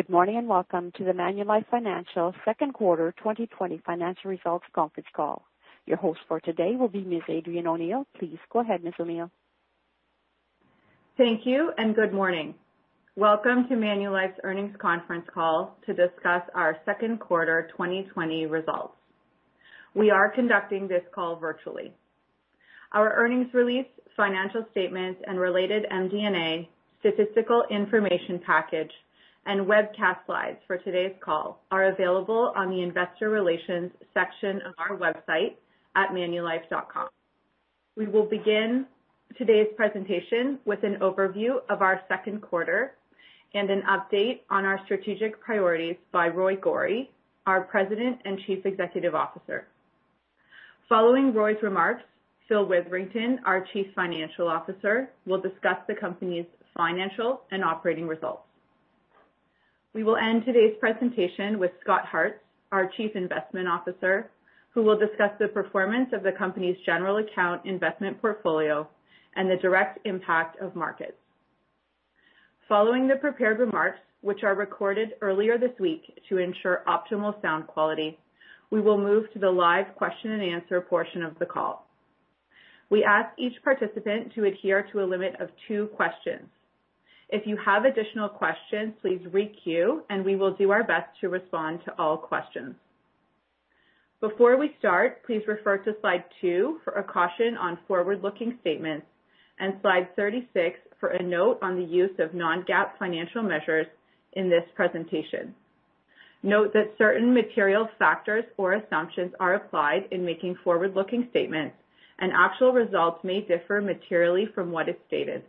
Good morning and welcome to the Manulife Financial Second Quarter 2020 Financial Results Conference Call. Your host for today will be Ms. Adrienne O'Neil. Please go ahead, Ms. O'Neil. Thank you and good morning. Welcome to Manulife's Earnings Conference Call to discuss our Second Quarter 2020 results. We are conducting this call virtually. Our earnings release, financial statements, and related MD&A statistical information package, and webcast slides for today's call are available on the Investor Relations section of our website at manulife.com. We will begin today's presentation with an overview of our Second Quarter and an update on our strategic priorities by Roy Gori, our President and Chief Executive Officer. Following Roy's remarks, Phil Witherington, our Chief Financial Officer, will discuss the company's financial and operating results. We will end today's presentation with Scott Hartz, our Chief Investment Officer, who will discuss the performance of the company's general account investment portfolio and the direct impact of markets. Following the prepared remarks, which are recorded earlier this week to ensure optimal sound quality, we will move to the live question and answer portion of the call. We ask each participant to adhere to a limit of two questions. If you have additional questions, please re-queue, and we will do our best to respond to all questions. Before we start, please refer to slide two for a caution on forward-looking statements and slide 36 for a note on the use of non-GAAP financial measures in this presentation. Note that certain material factors or assumptions are applied in making forward-looking statements, and actual results may differ materially from what is stated.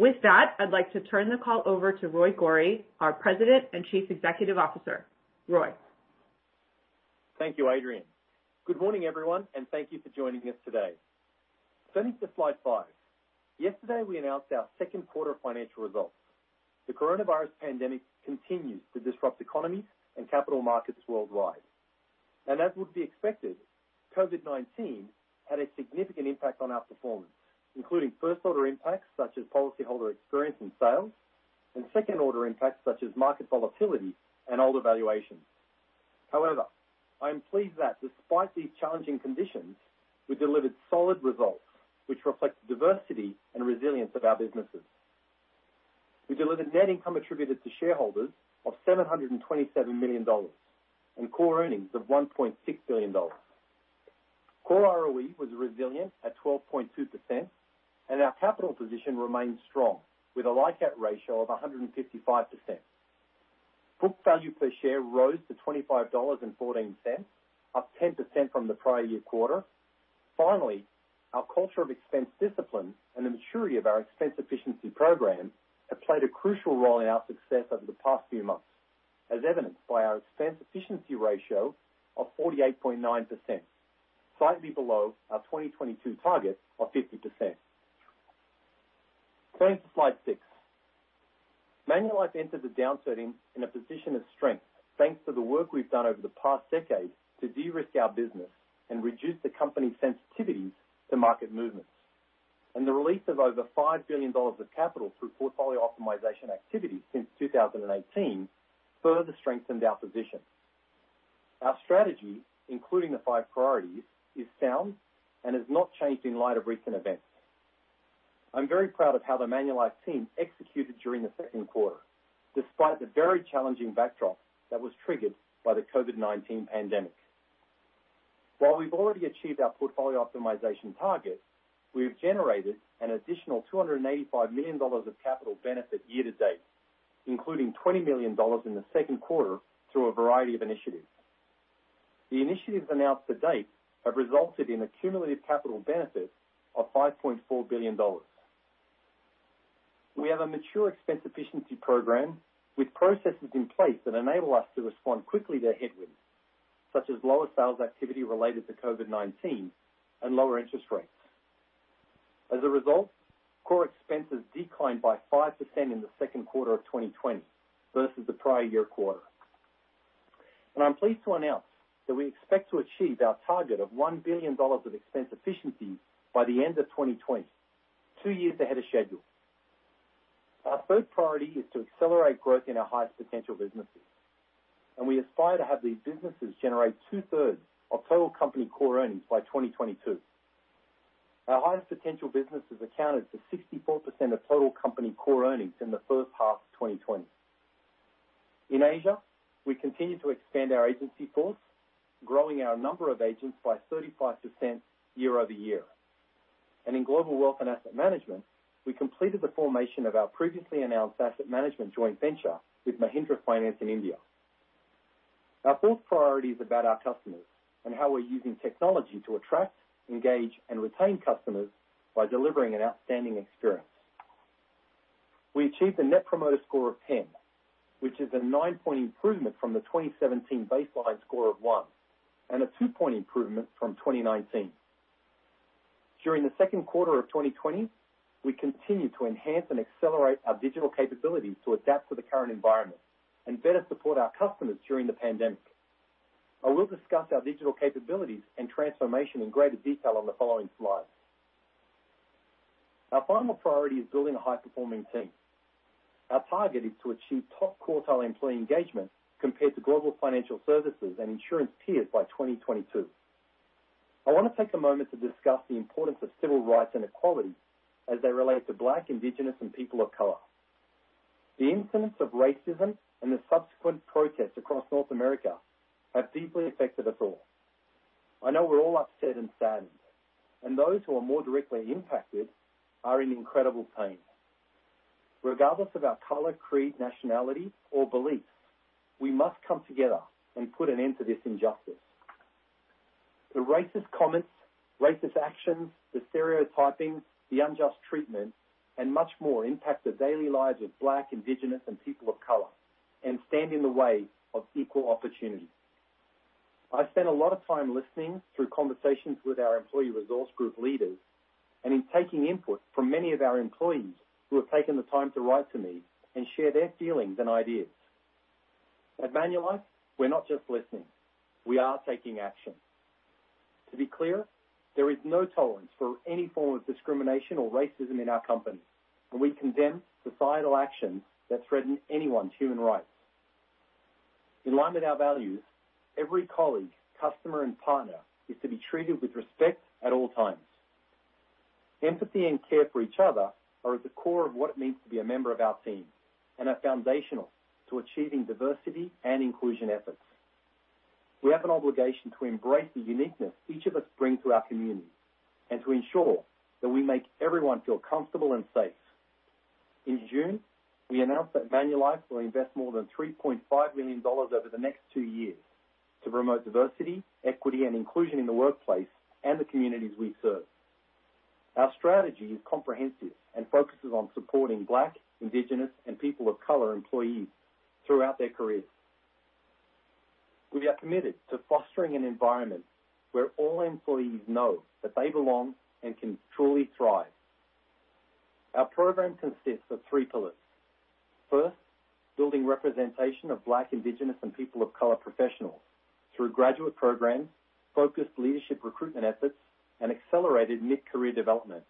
With that, I'd like to turn the call over to Roy Gori, our President and Chief Executive Officer. Roy. Thank you, Adrienne. Good morning, everyone, and thank you for joining us today. Turning to slide five, yesterday we announced our second quarter financial results. The coronavirus pandemic continues to disrupt economies and capital markets worldwide. As would be expected, COVID-19 had a significant impact on our performance, including first-order impacts such as policyholder experience and sales, and second-order impacts such as market volatility and Alder valuations. However, I am pleased that despite these challenging conditions, we delivered solid results which reflect the diversity and resilience of our businesses. We delivered net income attributed to shareholders of $727 million and core earnings of $1.6 billion. Core ROE was resilient at 12.2%, and our capital position remained strong with a LICAT ratio of 155%. Book value per share rose to $25.14, up 10% from the prior year quarter. Finally, our culture of expense discipline and the maturity of our expense efficiency program have played a crucial role in our success over the past few months, as evidenced by our expense efficiency ratio of 48.9%, slightly below our 2022 target of 50%. Turning to slide six, Manulife entered the downturn in a position of strength thanks to the work we've done over the past decade to de-risk our business and reduce the company's sensitivities to market movements. The release of over 5 billion dollars of capital through portfolio optimization activities since 2018 further strengthened our position. Our strategy, including the five priorities, is sound and has not changed in light of recent events. I'm very proud of how the Manulife team executed during the second quarter, despite the very challenging backdrop that was triggered by the COVID-19 pandemic. While we've already achieved our portfolio optimization target, we've generated an additional $285 million of capital benefit year to date, including $20 million in the second quarter through a variety of initiatives. The initiatives announced to date have resulted in a cumulative capital benefit of $5.4 billion. We have a mature expense efficiency program with processes in place that enable us to respond quickly to headwinds, such as lower sales activity related to COVID-19 and lower interest rates. As a result, core expenses declined by 5% in the second quarter of 2020 versus the prior year quarter. I'm pleased to announce that we expect to achieve our target of $1 billion of expense efficiency by the end of 2020, two years ahead of schedule. Our third priority is to accelerate growth in our highest potential businesses, and we aspire to have these businesses generate two-thirds of total company core earnings by 2022. Our highest potential businesses accounted for 64% of total company core earnings in the first half of 2020. In Asia, we continue to expand our agency force, growing our number of agents by 35% year over year. In global wealth and asset management, we completed the formation of our previously announced asset management joint venture with Mahindra Finance in India. Our fourth priority is about our customers and how we're using technology to attract, engage, and retain customers by delivering an outstanding experience. We achieved a net promoter score of 10, which is a nine-point improvement from the 2017 baseline score of one and a two-point improvement from 2019. During the second quarter of 2020, we continue to enhance and accelerate our digital capabilities to adapt to the current environment and better support our customers during the pandemic. I will discuss our digital capabilities and transformation in greater detail on the following slide. Our final priority is building a high-performing team. Our target is to achieve top quartile employee engagement compared to global financial services and insurance peers by 2022. I want to take a moment to discuss the importance of civil rights and equality as they relate to Black, Indigenous, and people of color. The incidence of racism and the subsequent protests across North America have deeply affected us all. I know we're all upset and saddened, and those who are more directly impacted are in incredible pain. Regardless of our color, creed, nationality, or beliefs, we must come together and put an end to this injustice. The racist comments, racist actions, the stereotypings, the unjust treatment, and much more impact the daily lives of Black, Indigenous, and people of color and stand in the way of equal opportunity. I spent a lot of time listening through conversations with our employee resource group leaders and in taking input from many of our employees who have taken the time to write to me and share their feelings and ideas. At Manulife, we're not just listening. We are taking action. To be clear, there is no tolerance for any form of discrimination or racism in our company, and we condemn societal actions that threaten anyone's human rights. In line with our values, every colleague, customer, and partner is to be treated with respect at all times. Empathy and care for each other are at the core of what it means to be a member of our team and are foundational to achieving diversity and inclusion efforts. We have an obligation to embrace the uniqueness each of us brings to our community and to ensure that we make everyone feel comfortable and safe. In June, we announced that Manulife will invest more than 3.5 million dollars over the next two years to promote diversity, equity, and inclusion in the workplace and the communities we serve. Our strategy is comprehensive and focuses on supporting Black, Indigenous, and people of color employees throughout their careers. We are committed to fostering an environment where all employees know that they belong and can truly thrive. Our program consists of three pillars. First, building representation of Black, Indigenous, and people of color professionals through graduate programs, focused leadership recruitment efforts, and accelerated mid-career development.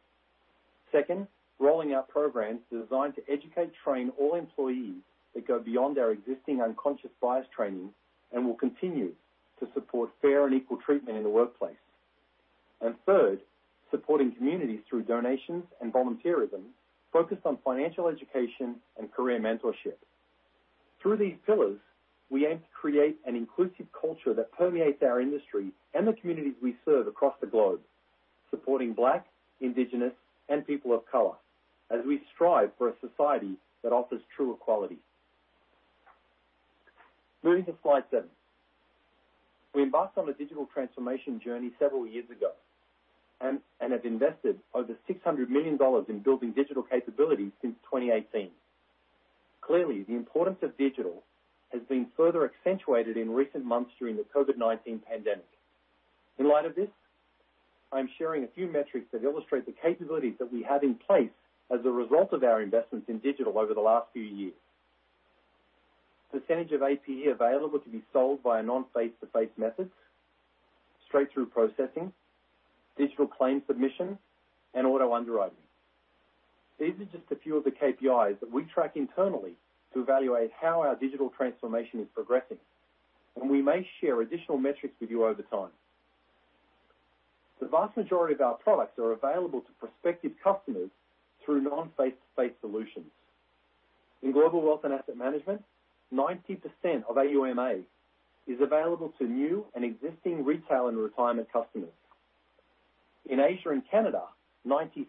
Second, rolling out programs designed to educate and train all employees that go beyond our existing unconscious bias training and will continue to support fair and equal treatment in the workplace. Third, supporting communities through donations and volunteerism focused on financial education and career mentorship. Through these pillars, we aim to create an inclusive culture that permeates our industry and the communities we serve across the globe, supporting Black, Indigenous, and people of color as we strive for a society that offers true equality. Moving to slide seven, we embarked on a digital transformation journey several years ago and have invested over 600 million dollars in building digital capabilities since 2018. Clearly, the importance of digital has been further accentuated in recent months during the COVID-19 pandemic. In light of this, I'm sharing a few metrics that illustrate the capabilities that we have in place as a result of our investments in digital over the last few years. Percentage of APE available to be sold via non-face-to-face methods, straight-through processing, digital claim submission, and auto underwriting. These are just a few of the KPIs that we track internally to evaluate how our digital transformation is progressing, and we may share additional metrics with you over time. The vast majority of our products are available to prospective customers through non-face-to-face solutions. In global wealth and asset management, 90% of AUMA is available to new and existing retail and retirement customers. In Asia and Canada, 97%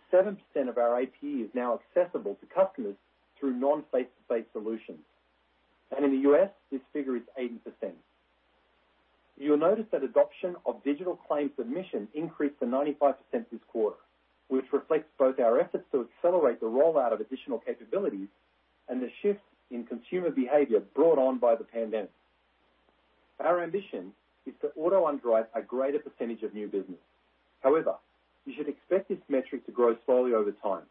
of our APE is now accessible to customers through non-face-to-face solutions. In the U.S., this figure is 80%. You'll notice that adoption of digital claim submission increased to 95% this quarter, which reflects both our efforts to accelerate the rollout of additional capabilities and the shift in consumer behavior brought on by the pandemic. Our ambition is to auto underwrite a greater percentage of new business. However, you should expect this metric to grow slowly over time,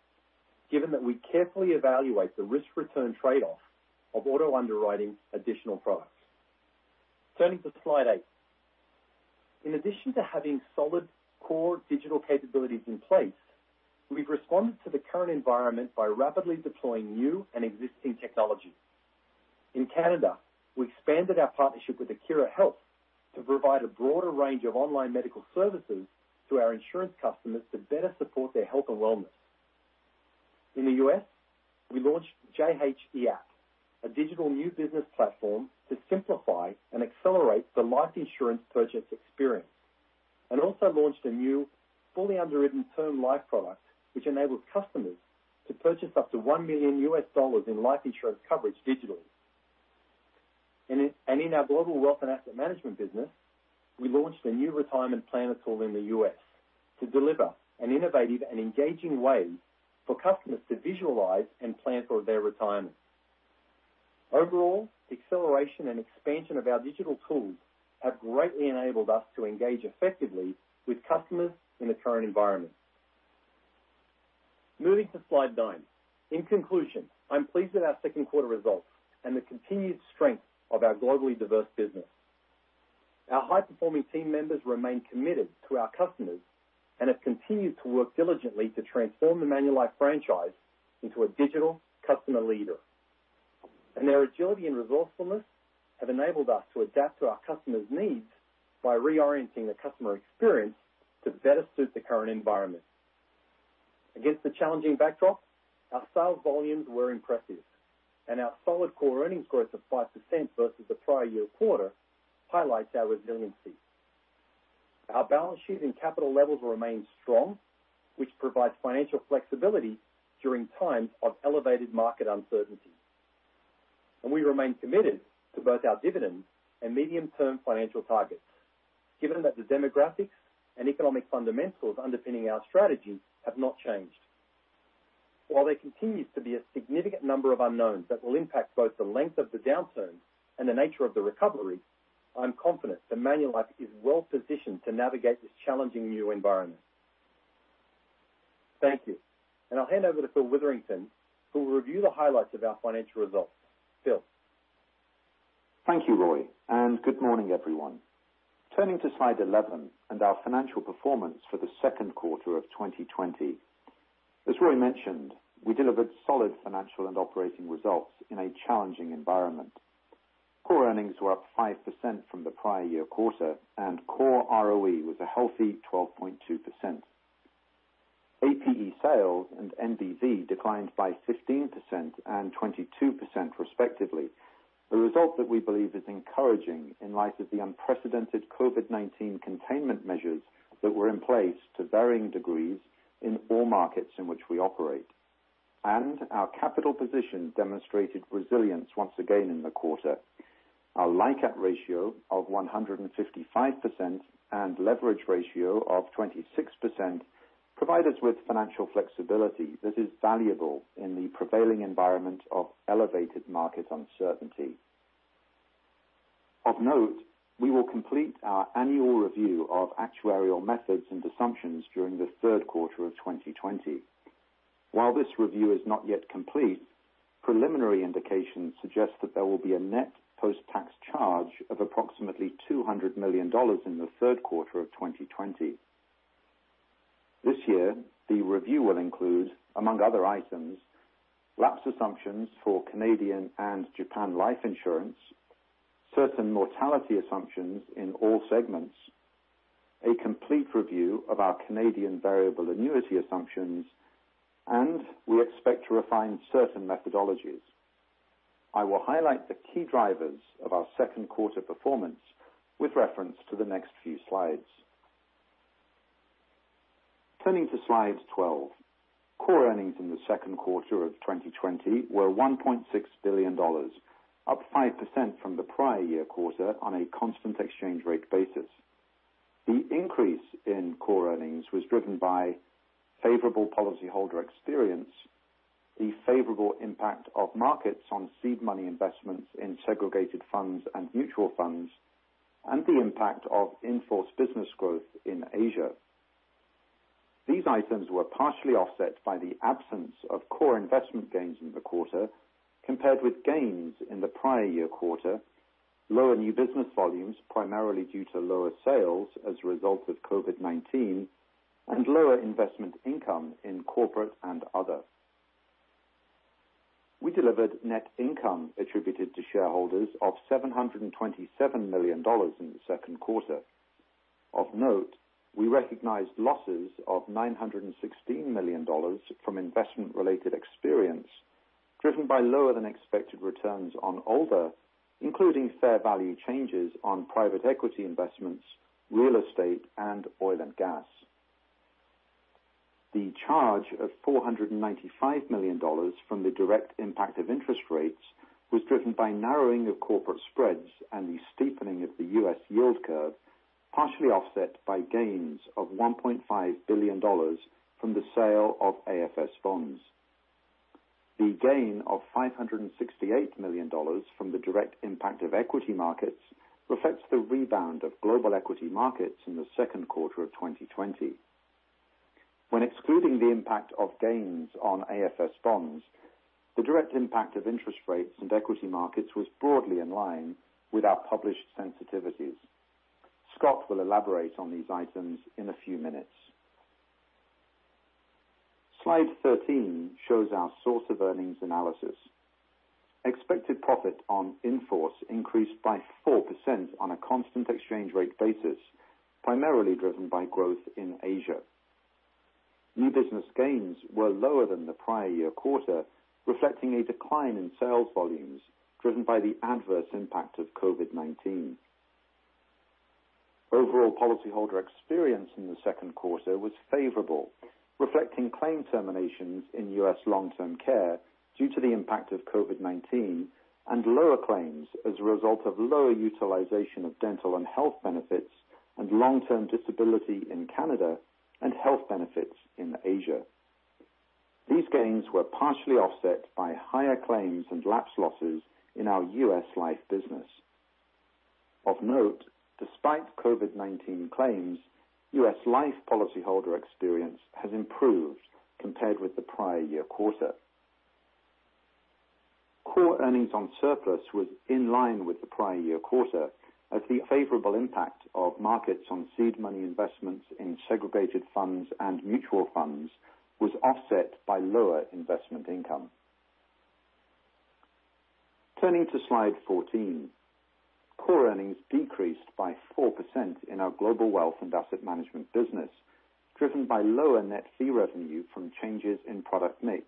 given that we carefully evaluate the risk-return trade-off of auto underwriting additional products. Turning to slide eight, in addition to having solid core digital capabilities in place, we've responded to the current environment by rapidly deploying new and existing technology. In Canada, we expanded our partnership with Akira Health to provide a broader range of online medical services to our insurance customers to better support their health and wellness. In the U.S., we launched JHEAP, a digital new business platform to simplify and accelerate the life insurance purchase experience, and also launched a new fully underwritten term life product which enables customers to purchase up to $1 million in life insurance coverage digitally. In our global wealth and asset management business, we launched a new retirement planner tool in the U.S. to deliver an innovative and engaging way for customers to visualize and plan for their retirement. Overall, the acceleration and expansion of our digital tools have greatly enabled us to engage effectively with customers in the current environment. Moving to slide nine, in conclusion, I'm pleased with our second quarter results and the continued strength of our globally diverse business. Our high-performing team members remain committed to our customers and have continued to work diligently to transform the Manulife franchise into a digital customer leader. Their agility and resourcefulness have enabled us to adapt to our customers' needs by reorienting the customer experience to better suit the current environment. Against the challenging backdrop, our sales volumes were impressive, and our solid core earnings growth of 5% versus the prior year quarter highlights our resiliency. Our balance sheet and capital levels remain strong, which provides financial flexibility during times of elevated market uncertainty. We remain committed to both our dividend and medium-term financial targets, given that the demographics and economic fundamentals underpinning our strategy have not changed. While there continues to be a significant number of unknowns that will impact both the length of the downturn and the nature of the recovery, I'm confident that Manulife is well positioned to navigate this challenging new environment. Thank you. I'll hand over to Phil Witherington, who will review the highlights of our financial results. Phil. Thank you, Roy. Good morning, everyone. Turning to slide 11 and our financial performance for the second quarter of 2020. As Roy mentioned, we delivered solid financial and operating results in a challenging environment. Core earnings were up 5% from the prior year quarter, and core ROE was a healthy 12.2%. APE sales and NBV declined by 15% and 22%, respectively, a result that we believe is encouraging in light of the unprecedented COVID-19 containment measures that were in place to varying degrees in all markets in which we operate. Our capital position demonstrated resilience once again in the quarter. Our LICAT ratio of 155% and leverage ratio of 26% provide us with financial flexibility that is valuable in the prevailing environment of elevated market uncertainty. Of note, we will complete our annual review of actuarial methods and assumptions during the third quarter of 2020. While this review is not yet complete, preliminary indications suggest that there will be a net post-tax charge of approximately $200 million in the third quarter of 2020. This year, the review will include, among other items, lapse assumptions for Canadian and Japan life insurance, certain mortality assumptions in all segments, a complete review of our Canadian variable annuity assumptions, and we expect to refine certain methodologies. I will highlight the key drivers of our second quarter performance with reference to the next few slides. Turning to slide 12, core earnings in the second quarter of 2020 were $1.6 billion, up 5% from the prior year quarter on a constant exchange rate basis. The increase in core earnings was driven by favorable policyholder experience, the favorable impact of markets on seed money investments in segregated funds and mutual funds, and the impact of in-force business growth in Asia. These items were partially offset by the absence of core investment gains in the quarter compared with gains in the prior year quarter, lower new business volumes primarily due to lower sales as a result of COVID-19, and lower investment income in Corporate and Other. We delivered net income attributed to shareholders of 727 million dollars in the second quarter. Of note, we recognized losses of 916 million dollars from investment-related experience driven by lower-than-expected returns on Alder, including fair value changes on private equity investments, real estate, and oil and gas. The charge of 495 million dollars from the direct impact of interest rates was driven by narrowing of corporate spreads and the steepening of the US yield curve, partially offset by gains of 1.5 billion dollars from the sale of AFS bonds. The gain of $568 million from the direct impact of equity markets reflects the rebound of global equity markets in the second quarter of 2020. When excluding the impact of gains on AFS bonds, the direct impact of interest rates and equity markets was broadly in line with our published sensitivities. Scott will elaborate on these items in a few minutes. Slide 13 shows our source of earnings analysis. Expected profit on in-force increased by 4% on a constant exchange rate basis, primarily driven by growth in Asia. New business gains were lower than the prior year quarter, reflecting a decline in sales volumes driven by the adverse impact of COVID-19. Overall policyholder experience in the second quarter was favorable, reflecting claim terminations in US long-term care due to the impact of COVID-19 and lower claims as a result of lower utilization of dental and health benefits and long-term disability in Canada and health benefits in Asia. These gains were partially offset by higher claims and lapse losses in our US life business. Of note, despite COVID-19 claims, US life policyholder experience has improved compared with the prior year quarter. Core earnings on surplus was in line with the prior year quarter as the favorable impact of markets on seed money investments in segregated funds and mutual funds was offset by lower investment income. Turning to slide 14, core earnings decreased by 4% in our global wealth and asset management business, driven by lower net fee revenue from changes in product mix,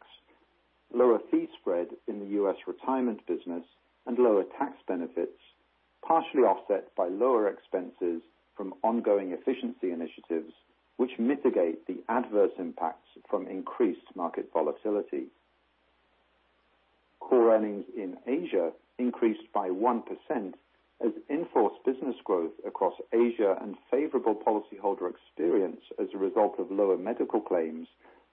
lower fee spread in the US retirement business, and lower tax benefits, partially offset by lower expenses from ongoing efficiency initiatives which mitigate the adverse impacts from increased market volatility. Core earnings in Asia increased by 1% as in-force business growth across Asia and favorable policyholder experience as a result of lower medical claims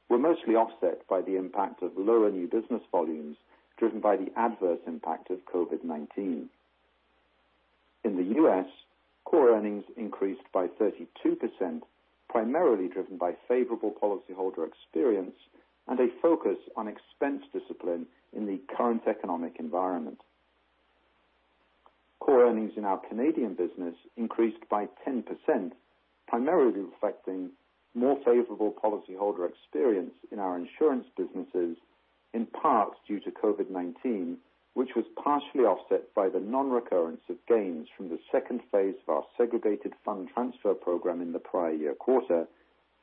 were mostly offset by the impact of lower new business volumes driven by the adverse impact of COVID-19. In the U.S., core earnings increased by 32%, primarily driven by favorable policyholder experience and a focus on expense discipline in the current economic environment. Core earnings in our Canadian business increased by 10%, primarily reflecting more favorable policyholder experience in our insurance businesses, in part due to COVID-19, which was partially offset by the non-recurrence of gains from the second phase of our segregated fund transfer program in the prior year quarter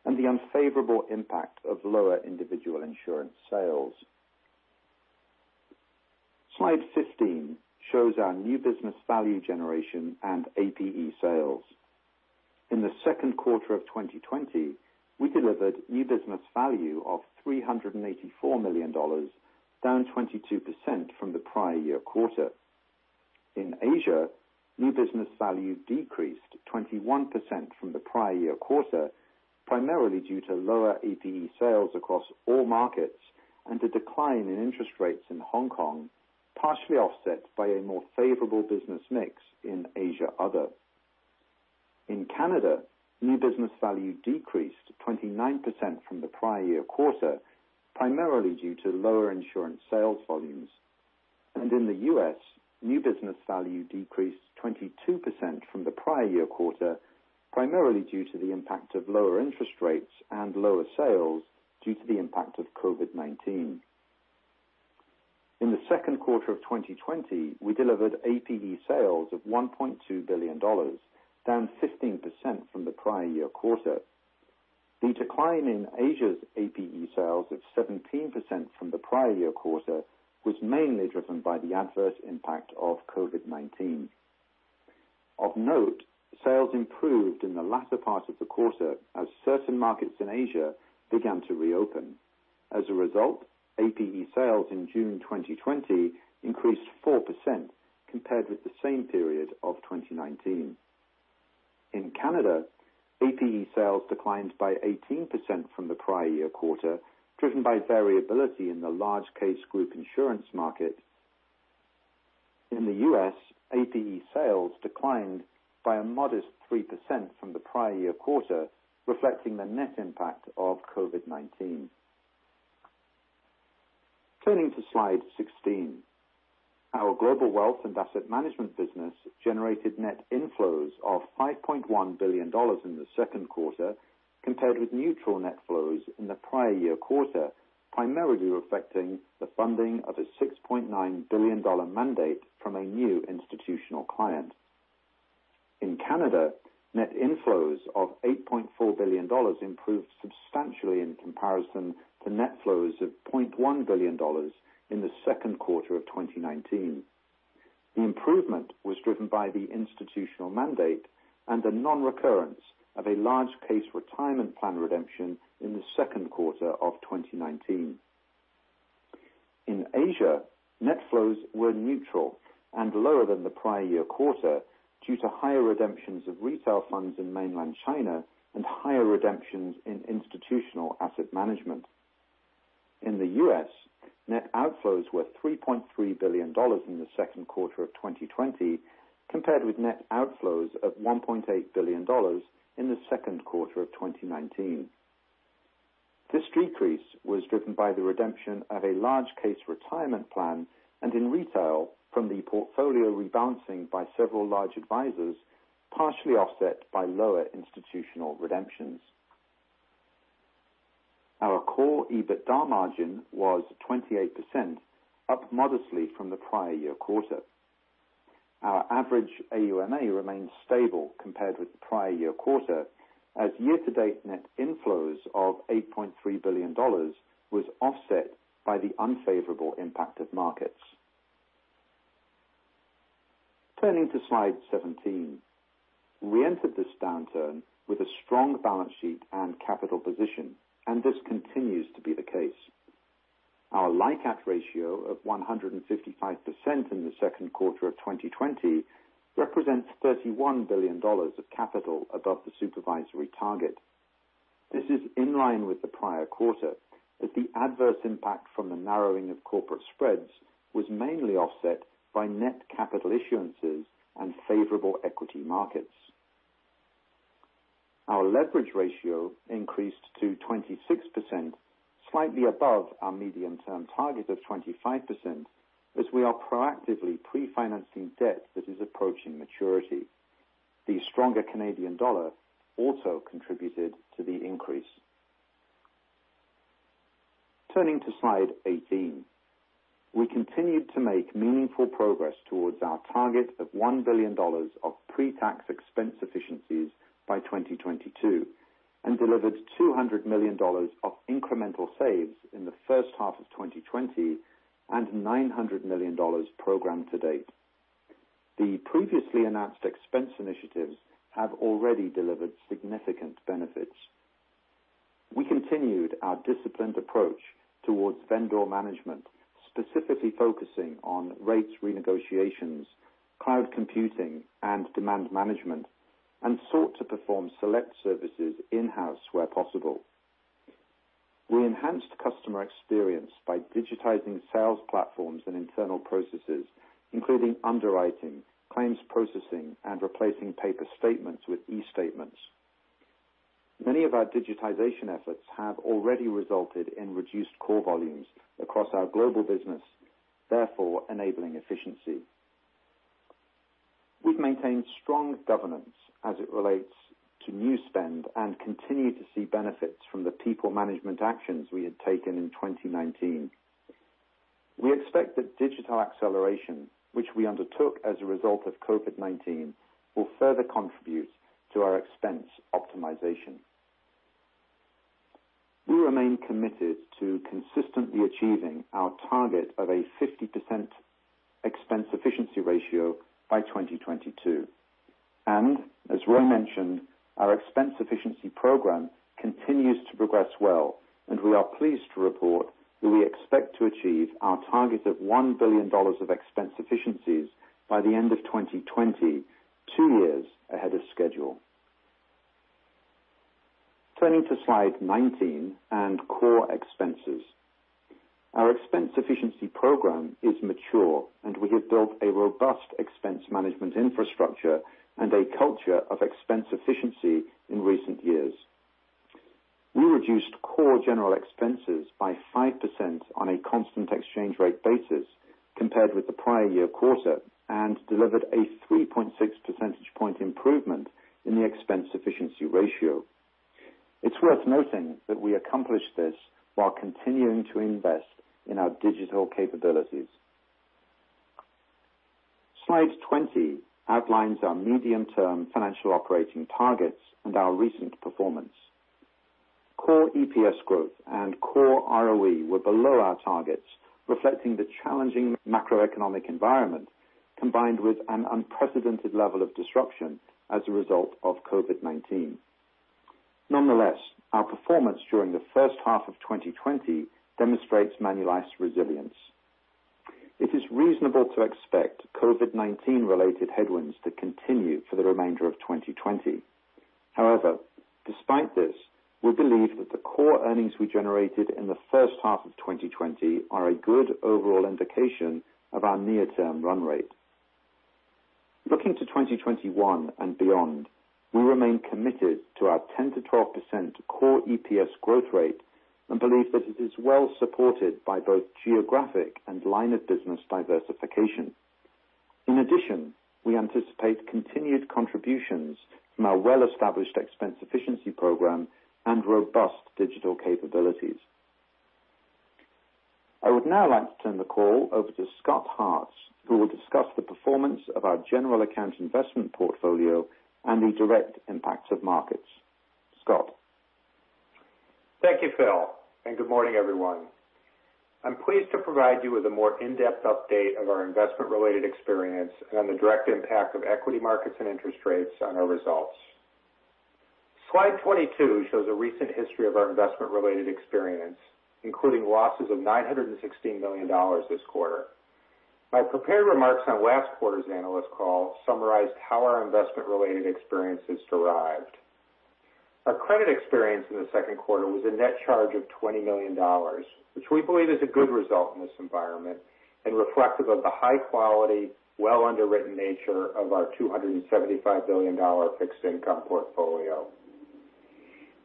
and the unfavorable impact of lower individual insurance sales. Slide 15 shows our new business value generation and APE sales. In the second quarter of 2020, we delivered new business value of $384 million, down 22% from the prior year quarter. In Asia, new business value decreased 21% from the prior year quarter, primarily due to lower APE sales across all markets and a decline in interest rates in Hong Kong, partially offset by a more favorable business mix in Asia Other. In Canada, new business value decreased 29% from the prior year quarter, primarily due to lower insurance sales volumes. In the U.S., new business value decreased 22% from the prior year quarter, primarily due to the impact of lower interest rates and lower sales due to the impact of COVID-19. In the second quarter of 2020, we delivered APE sales of $1.2 billion, down 15% from the prior year quarter. The decline in Asia's APE sales of 17% from the prior year quarter was mainly driven by the adverse impact of COVID-19. Of note, sales improved in the latter part of the quarter as certain markets in Asia began to reopen. As a result, APE sales in June 2020 increased 4% compared with the same period of 2019. In Canada, APE sales declined by 18% from the prior year quarter, driven by variability in the large case group insurance market. In the U.S., APE sales declined by a modest 3% from the prior year quarter, reflecting the net impact of COVID-19. Turning to slide 16, our global wealth and asset management business generated net inflows of $5.1 billion in the second quarter compared with neutral net flows in the prior year quarter, primarily reflecting the funding of a $6.9 billion mandate from a new institutional client. In Canada, net inflows of 8.4 billion dollars improved substantially in comparison to net flows of 0.1 billion dollars in the second quarter of 2019. The improvement was driven by the institutional mandate and the non-recurrence of a large case retirement plan redemption in the second quarter of 2019. In Asia, net flows were neutral and lower than the prior year quarter due to higher redemptions of retail funds in mainland China and higher redemptions in institutional asset management. In the U.S., net outflows were $3.3 billion in the second quarter of 2020 compared with net outflows of $1.8 billion in the second quarter of 2019. This decrease was driven by the redemption of a large case retirement plan and in retail from the portfolio rebalancing by several large advisors, partially offset by lower institutional redemptions. Our core EBITDA margin was 28%, up modestly from the prior year quarter. Our average AUMA remained stable compared with the prior year quarter as year-to-date net inflows of $8.3 billion was offset by the unfavorable impact of markets. Turning to slide 17, we entered this downturn with a strong balance sheet and capital position, and this continues to be the case. Our LICAT ratio of 155% in the second quarter of 2020 represents $31 billion of capital above the supervisory target. This is in line with the prior quarter as the adverse impact from the narrowing of corporate spreads was mainly offset by net capital issuances and favorable equity markets. Our leverage ratio increased to 26%, slightly above our medium-term target of 25%, as we are proactively pre-financing debt that is approaching maturity. The stronger Canadian dollar also contributed to the increase. Turning to slide 18, we continued to make meaningful progress towards our target of 1 billion dollars of pre-tax expense efficiencies by 2022 and delivered 200 million dollars of incremental saves in the first half of 2020 and 900 million dollars programmed to date. The previously announced expense initiatives have already delivered significant benefits. We continued our disciplined approach towards vendor management, specifically focusing on rates renegotiations, cloud computing, and demand management, and sought to perform select services in-house where possible. We enhanced customer experience by digitizing sales platforms and internal processes, including underwriting, claims processing, and replacing paper statements with e-statements. Many of our digitization efforts have already resulted in reduced core volumes across our global business, therefore enabling efficiency. We have maintained strong governance as it relates to new spend and continue to see benefits from the people management actions we had taken in 2019. We expect that digital acceleration, which we undertook as a result of COVID-19, will further contribute to our expense optimization. We remain committed to consistently achieving our target of a 50% expense efficiency ratio by 2022. As Roy mentioned, our expense efficiency program continues to progress well, and we are pleased to report that we expect to achieve our target of 1 billion dollars of expense efficiencies by the end of 2020, two years ahead of schedule. Turning to slide 19 and core expenses. Our expense efficiency program is mature, and we have built a robust expense management infrastructure and a culture of expense efficiency in recent years. We reduced core general expenses by 5% on a constant exchange rate basis compared with the prior year quarter and delivered a 3.6 percentage point improvement in the expense efficiency ratio. It's worth noting that we accomplished this while continuing to invest in our digital capabilities. Slide 20 outlines our medium-term financial operating targets and our recent performance. Core EPS growth and core ROE were below our targets, reflecting the challenging macroeconomic environment combined with an unprecedented level of disruption as a result of COVID-19. Nonetheless, our performance during the first half of 2020 demonstrates Manulife's resilience. It is reasonable to expect COVID-19-related headwinds to continue for the remainder of 2020. However, despite this, we believe that the core earnings we generated in the first half of 2020 are a good overall indication of our near-term run rate. Looking to 2021 and beyond, we remain committed to our 10-12% core EPS growth rate and believe that it is well supported by both geographic and line of business diversification. In addition, we anticipate continued contributions from our well-established expense efficiency program and robust digital capabilities. I would now like to turn the call over to Scott Hartz, who will discuss the performance of our general account investment portfolio and the direct impacts of markets. Scott. Thank you, Phil, and good morning, everyone. I'm pleased to provide you with a more in-depth update of our investment-related experience and the direct impact of equity markets and interest rates on our results. Slide 22 shows a recent history of our investment-related experience, including losses of $916 million this quarter. My prepared remarks on last quarter's analyst call summarized how our investment-related experience has derived. Our credit experience in the second quarter was a net charge of $20 million, which we believe is a good result in this environment and reflective of the high-quality, well-underwritten nature of our 275 billion dollar fixed income portfolio.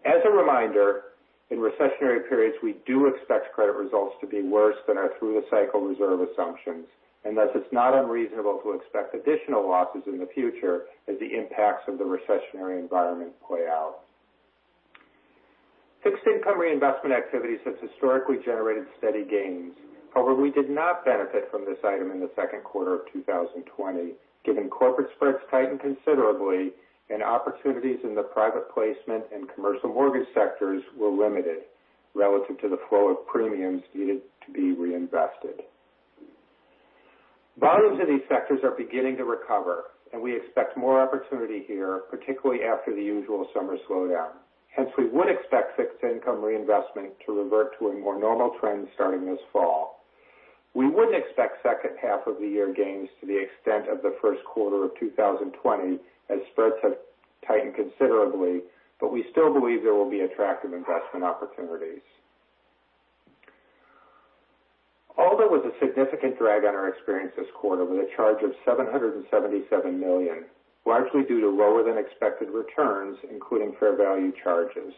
As a reminder, in recessionary periods, we do expect credit results to be worse than our through-the-cycle reserve assumptions, and thus it's not unreasonable to expect additional losses in the future as the impacts of the recessionary environment play out. Fixed income reinvestment activity has historically generated steady gains. However, we did not benefit from this item in the second quarter of 2020, given corporate spreads tightened considerably and opportunities in the private placement and commercial mortgage sectors were limited relative to the flow of premiums needed to be reinvested. Volumes in these sectors are beginning to recover, and we expect more opportunity here, particularly after the usual summer slowdown. Hence, we would expect fixed income reinvestment to revert to a more normal trend starting this fall. We wouldn't expect second half of the year gains to the extent of the first quarter of 2020 as spreads have tightened considerably, but we still believe there will be attractive investment opportunities. Alder was a significant drag on our experience this quarter with a charge of $777 million, largely due to lower-than-expected returns, including fair value charges.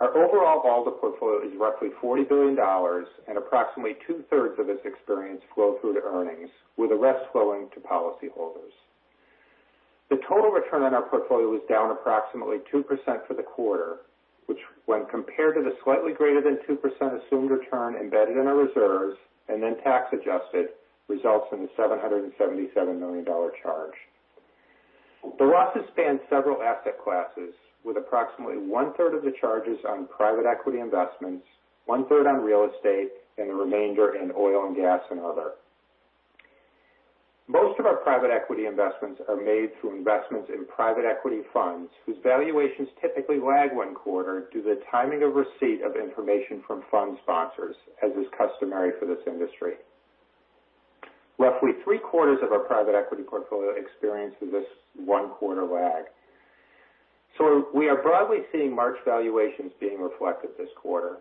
Our overall Alder portfolio is roughly $40 billion, and approximately two-thirds of its experience flowed through to earnings, with the rest flowing to policyholders. The total return on our portfolio was down approximately 2% for the quarter, which, when compared to the slightly greater than 2% assumed return embedded in our reserves and then tax-adjusted, results in the $777 million charge. The losses spanned several asset classes, with approximately one-third of the charges on private equity investments, one-third on real estate, and the remainder in oil and gas and other. Most of our private equity investments are made through investments in private equity funds whose valuations typically lag one quarter due to the timing of receipt of information from fund sponsors, as is customary for this industry. Roughly three-quarters of our private equity portfolio experienced with this one-quarter lag. We are broadly seeing March valuations being reflected this quarter.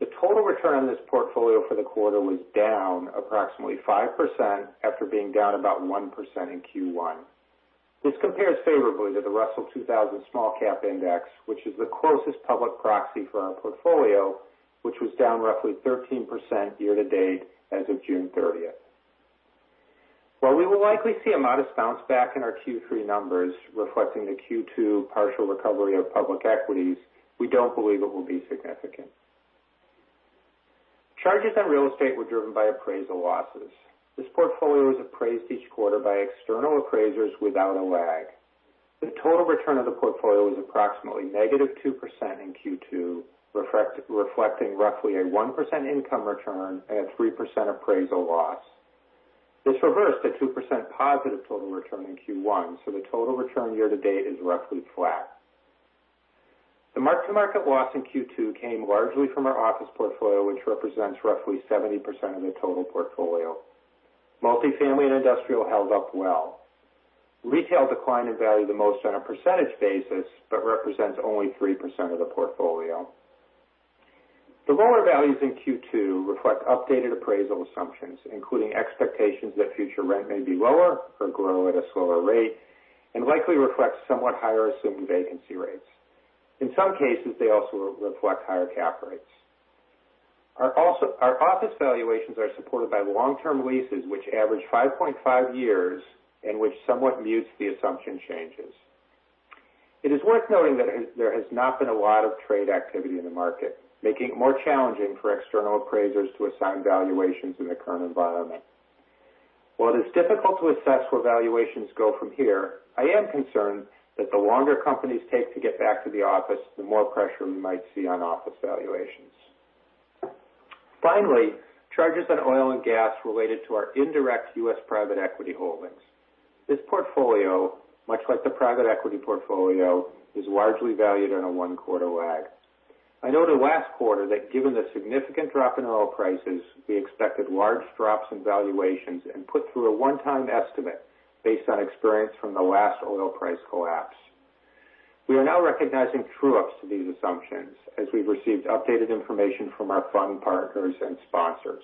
The total return on this portfolio for the quarter was down approximately 5% after being down about 1% in Q1. This compares favorably to the Russell 2000 Small Cap Index, which is the closest public proxy for our portfolio, which was down roughly 13% year-to-date as of June 30. While we will likely see a modest bounce back in our Q3 numbers, reflecting the Q2 partial recovery of public equities, we do not believe it will be significant. Charges on real estate were driven by appraisal losses. This portfolio was appraised each quarter by external appraisers without a lag. The total return of the portfolio was approximately negative 2% in Q2, reflecting roughly a 1% income return and a 3% appraisal loss. This reversed a 2% positive total return in Q1, so the total return year-to-date is roughly flat. The mark-to-market loss in Q2 came largely from our office portfolio, which represents roughly 70% of the total portfolio. Multifamily and industrial held up well. Retail declined and valued the most on a percentage basis but represents only 3% of the portfolio. The lower values in Q2 reflect updated appraisal assumptions, including expectations that future rent may be lower or grow at a slower rate, and likely reflect somewhat higher assumed vacancy rates. In some cases, they also reflect higher cap rates. Our office valuations are supported by long-term leases, which average 5.5 years, and which somewhat mutes the assumption changes. It is worth noting that there has not been a lot of trade activity in the market, making it more challenging for external appraisers to assign valuations in the current environment. While it is difficult to assess where valuations go from here, I am concerned that the longer companies take to get back to the office, the more pressure we might see on office valuations. Finally, charges on oil and gas related to our indirect U.S. private equity holdings. This portfolio, much like the private equity portfolio, is largely valued on a one-quarter lag. I know the last quarter that, given the significant drop in oil prices, we expected large drops in valuations and put through a one-time estimate based on experience from the last oil price collapse. We are now recognizing true-ups to these assumptions as we've received updated information from our fund partners and sponsors.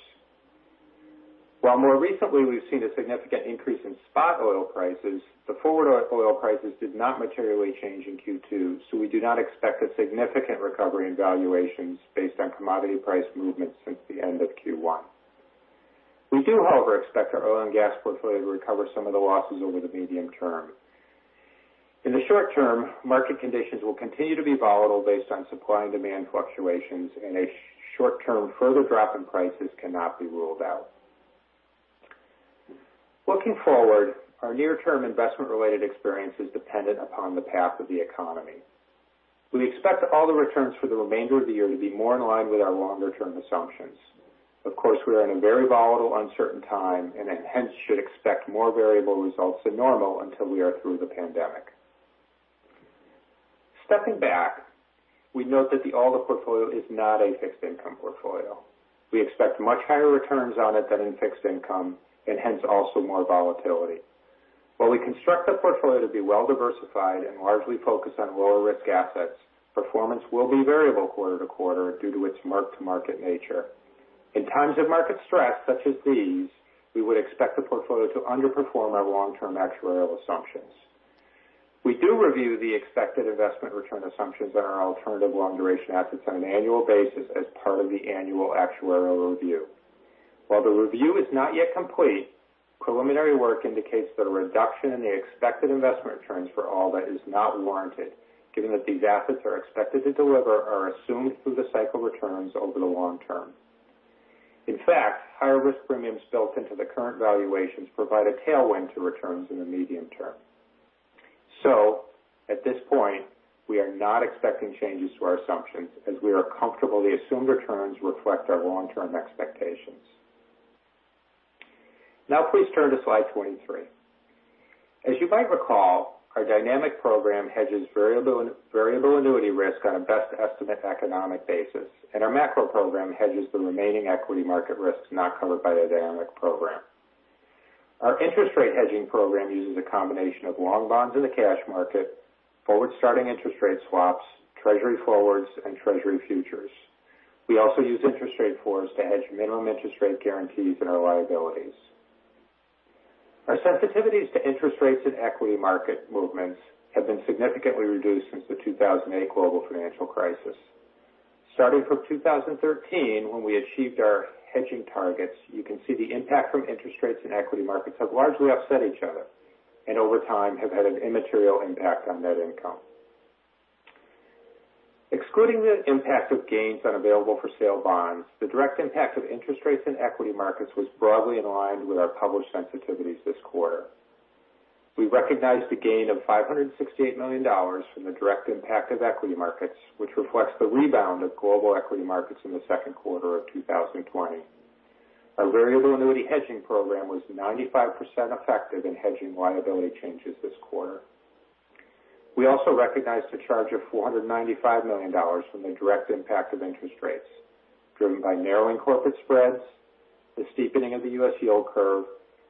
While more recently we've seen a significant increase in spot oil prices, the forward oil prices did not materially change in Q2, so we do not expect a significant recovery in valuations based on commodity price movements since the end of Q1. We do, however, expect our oil and gas portfolio to recover some of the losses over the medium term. In the short term, market conditions will continue to be volatile based on supply and demand fluctuations, and a short-term further drop in prices cannot be ruled out. Looking forward, our near-term investment-related experience is dependent upon the path of the economy. We expect all the returns for the remainder of the year to be more in line with our longer-term assumptions. Of course, we are in a very volatile, uncertain time, and hence should expect more variable results than normal until we are through the pandemic. Stepping back, we note that the Alder portfolio is not a fixed income portfolio. We expect much higher returns on it than in fixed income and hence also more volatility. While we construct the portfolio to be well-diversified and largely focused on lower-risk assets, performance will be variable quarter to quarter due to its mark-to-market nature. In times of market stress such as these, we would expect the portfolio to underperform our long-term actuarial assumptions. We do review the expected investment return assumptions on our alternative long-duration assets on an annual basis as part of the annual actuarial review. While the review is not yet complete, preliminary work indicates that a reduction in the expected investment returns for Alder is not warranted, given that these assets are expected to deliver or are assumed through the cycle of returns over the long term. In fact, higher risk premiums built into the current valuations provide a tailwind to returns in the medium term. At this point, we are not expecting changes to our assumptions as we are comfortable the assumed returns reflect our long-term expectations. Now, please turn to slide 23. As you might recall, our dynamic program hedges variable annuity risk on a best estimate economic basis, and our macro program hedges the remaining equity market risks not covered by the dynamic program. Our interest rate hedging program uses a combination of long bonds in the cash market, forward-starting interest rate swaps, Treasury forwards, and Treasury futures. We also use interest rate floors to hedge minimum interest rate guarantees and our liabilities. Our sensitivities to interest rates and equity market movements have been significantly reduced since the 2008 global financial crisis. Starting from 2013, when we achieved our hedging targets, you can see the impact from interest rates and equity markets have largely offset each other and, over time, have had an immaterial impact on net income. Excluding the impact of gains on available-for-sale bonds, the direct impact of interest rates and equity markets was broadly in line with our published sensitivities this quarter. We recognized a gain of $568 million from the direct impact of equity markets, which reflects the rebound of global equity markets in the second quarter of 2020. Our variable annuity hedging program was 95% effective in hedging liability changes this quarter. We also recognized a charge of $495 million from the direct impact of interest rates, driven by narrowing corporate spreads, the steepening of the U.S. Yield curve,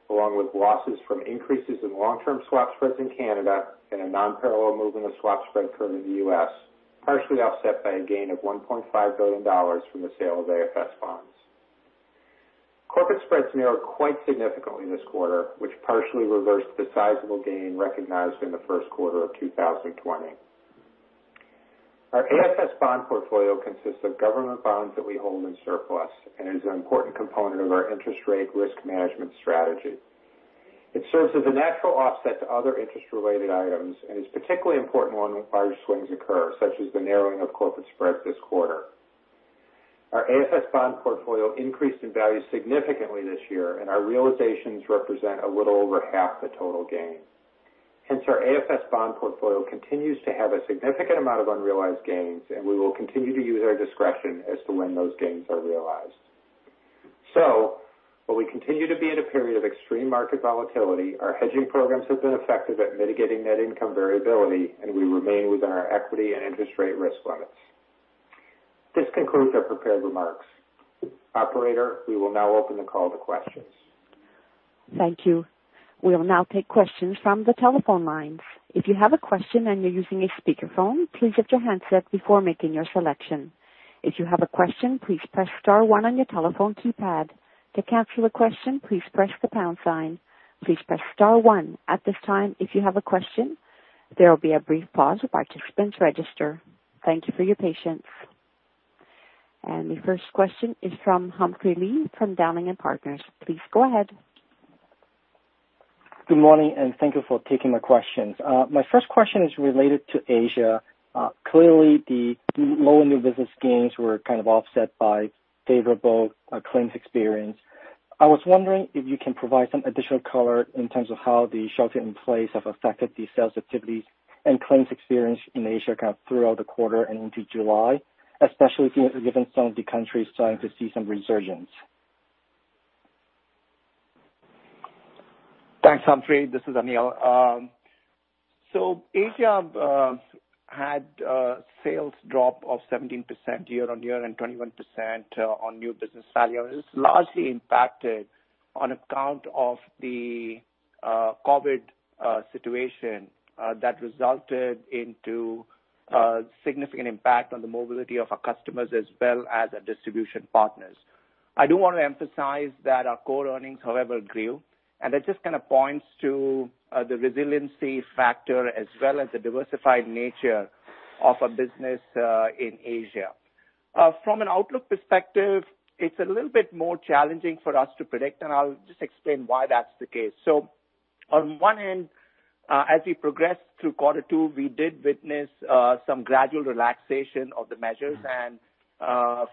along with losses from increases in long-term swap spreads in Canada and a non-parallel movement of the swap spread curve in the U.S., partially offset by a gain of $1.5 billion from the sale of AFS bonds. Corporate spreads narrowed quite significantly this quarter, which partially reversed the sizable gain recognized in the first quarter of 2020. Our AFS bond portfolio consists of government bonds that we hold in surplus and is an important component of our interest rate risk management strategy. It serves as a natural offset to other interest-related items and is particularly important when large swings occur, such as the narrowing of corporate spreads this quarter. Our AFS bond portfolio increased in value significantly this year, and our realizations represent a little over half the total gain. Hence, our AFS bond portfolio continues to have a significant amount of unrealized gains, and we will continue to use our discretion as to when those gains are realized. While we continue to be in a period of extreme market volatility, our hedging programs have been effective at mitigating net income variability, and we remain within our equity and interest rate risk limits. This concludes our prepared remarks. Operator, we will now open the call to questions. Thank you. We will now take questions from the telephone lines. If you have a question and you're using a speakerphone, please lift your handset before making your selection. If you have a question, please press star one on your telephone keypad. To cancel a question, please press the pound sign. Please press star one. At this time, if you have a question, there will be a brief pause while participants register. Thank you for your patience. The first question is from Humphrey Lee from Downing & Partners. Please go ahead. Good morning, and thank you for taking my questions. My first question is related to Asia. Clearly, the lower new business gains were kind of offset by favorable claims experience. I was wondering if you can provide some additional color in terms of how the shelter in place have affected the sales activities and claims experience in Asia kind of throughout the quarter and into July, especially given some of the countries starting to see some resurgence. Thanks, Humphrey. This is Anil. Asia had a sales drop of 17% year-on-year and 21% on new business value. It is largely impacted on account of the COVID situation that resulted in a significant impact on the mobility of our customers as well as our distribution partners. I do want to emphasize that our core earnings, however, grew, and that just kind of points to the resiliency factor as well as the diversified nature of our business in Asia. From an outlook perspective, it's a little bit more challenging for us to predict, and I'll just explain why that's the case. On one hand, as we progressed through quarter two, we did witness some gradual relaxation of the measures, and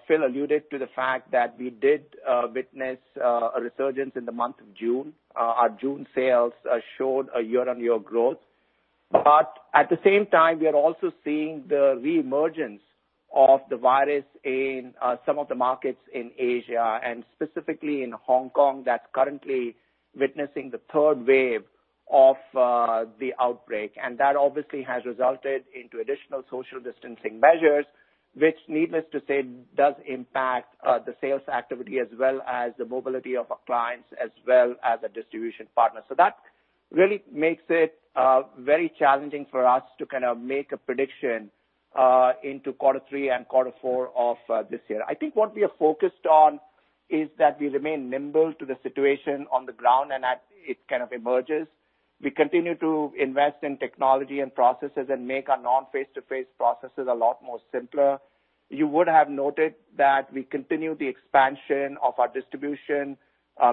Phil alluded to the fact that we did witness a resurgence in the month of June. Our June sales showed a year-on-year growth. At the same time, we are also seeing the reemergence of the virus in some of the markets in Asia, and specifically in Hong Kong, that's currently witnessing the third wave of the outbreak. That obviously has resulted in additional social distancing measures, which, needless to say, does impact the sales activity as well as the mobility of our clients as well as our distribution partners. That really makes it very challenging for us to kind of make a prediction into quarter three and quarter four of this year. I think what we are focused on is that we remain nimble to the situation on the ground, and as it kind of emerges, we continue to invest in technology and processes and make our non-face-to-face processes a lot more simpler. You would have noted that we continue the expansion of our distribution,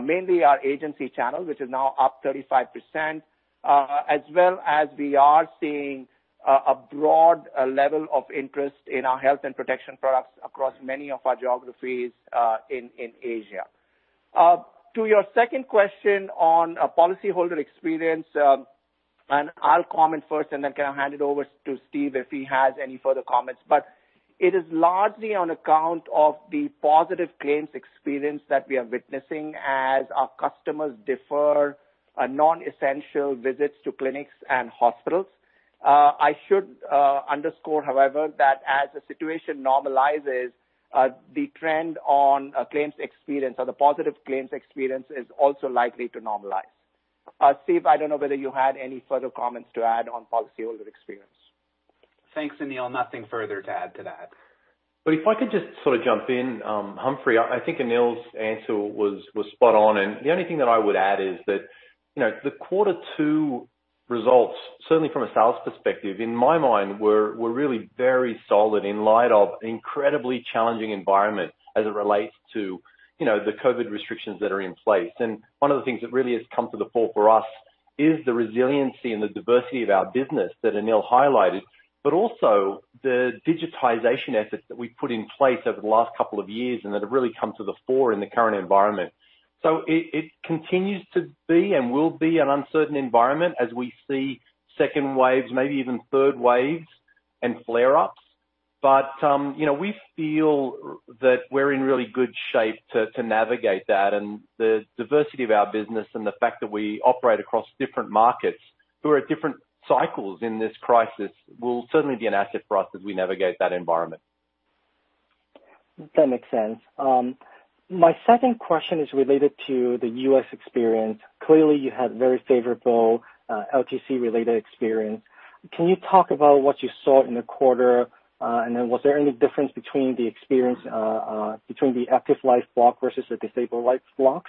mainly our agency channel, which is now up 35%, as well as we are seeing a broad level of interest in our health and protection products across many of our geographies in Asia. To your second question on policyholder experience, I'll comment first, and then kind of hand it over to Steve if he has any further comments. It is largely on account of the positive claims experience that we are witnessing as our customers defer non-essential visits to clinics and hospitals. I should underscore, however, that as the situation normalizes, the trend on claims experience or the positive claims experience is also likely to normalize. Steve, I don't know whether you had any further comments to add on policyholder experience. Thanks, Anil. Nothing further to add to that. If I could just sort of jump in, Humphrey, I think Anil's answer was spot on. The only thing that I would add is that the quarter two results, certainly from a sales perspective, in my mind, were really very solid in light of an incredibly challenging environment as it relates to the COVID restrictions that are in place. One of the things that really has come to the fore for us is the resiliency and the diversity of our business that Anil highlighted, but also the digitization efforts that we have put in place over the last couple of years and that have really come to the fore in the current environment. It continues to be and will be an uncertain environment as we see second waves, maybe even third waves, and flare-ups. We feel that we are in really good shape to navigate that. The diversity of our business and the fact that we operate across different markets who are at different cycles in this crisis will certainly be an asset for us as we navigate that environment. That makes sense. My second question is related to the U.S. experience. Clearly, you had very favorable LTC-related experience. Can you talk about what you saw in the quarter, and then was there any difference between the experience between the active life block versus the disabled life block?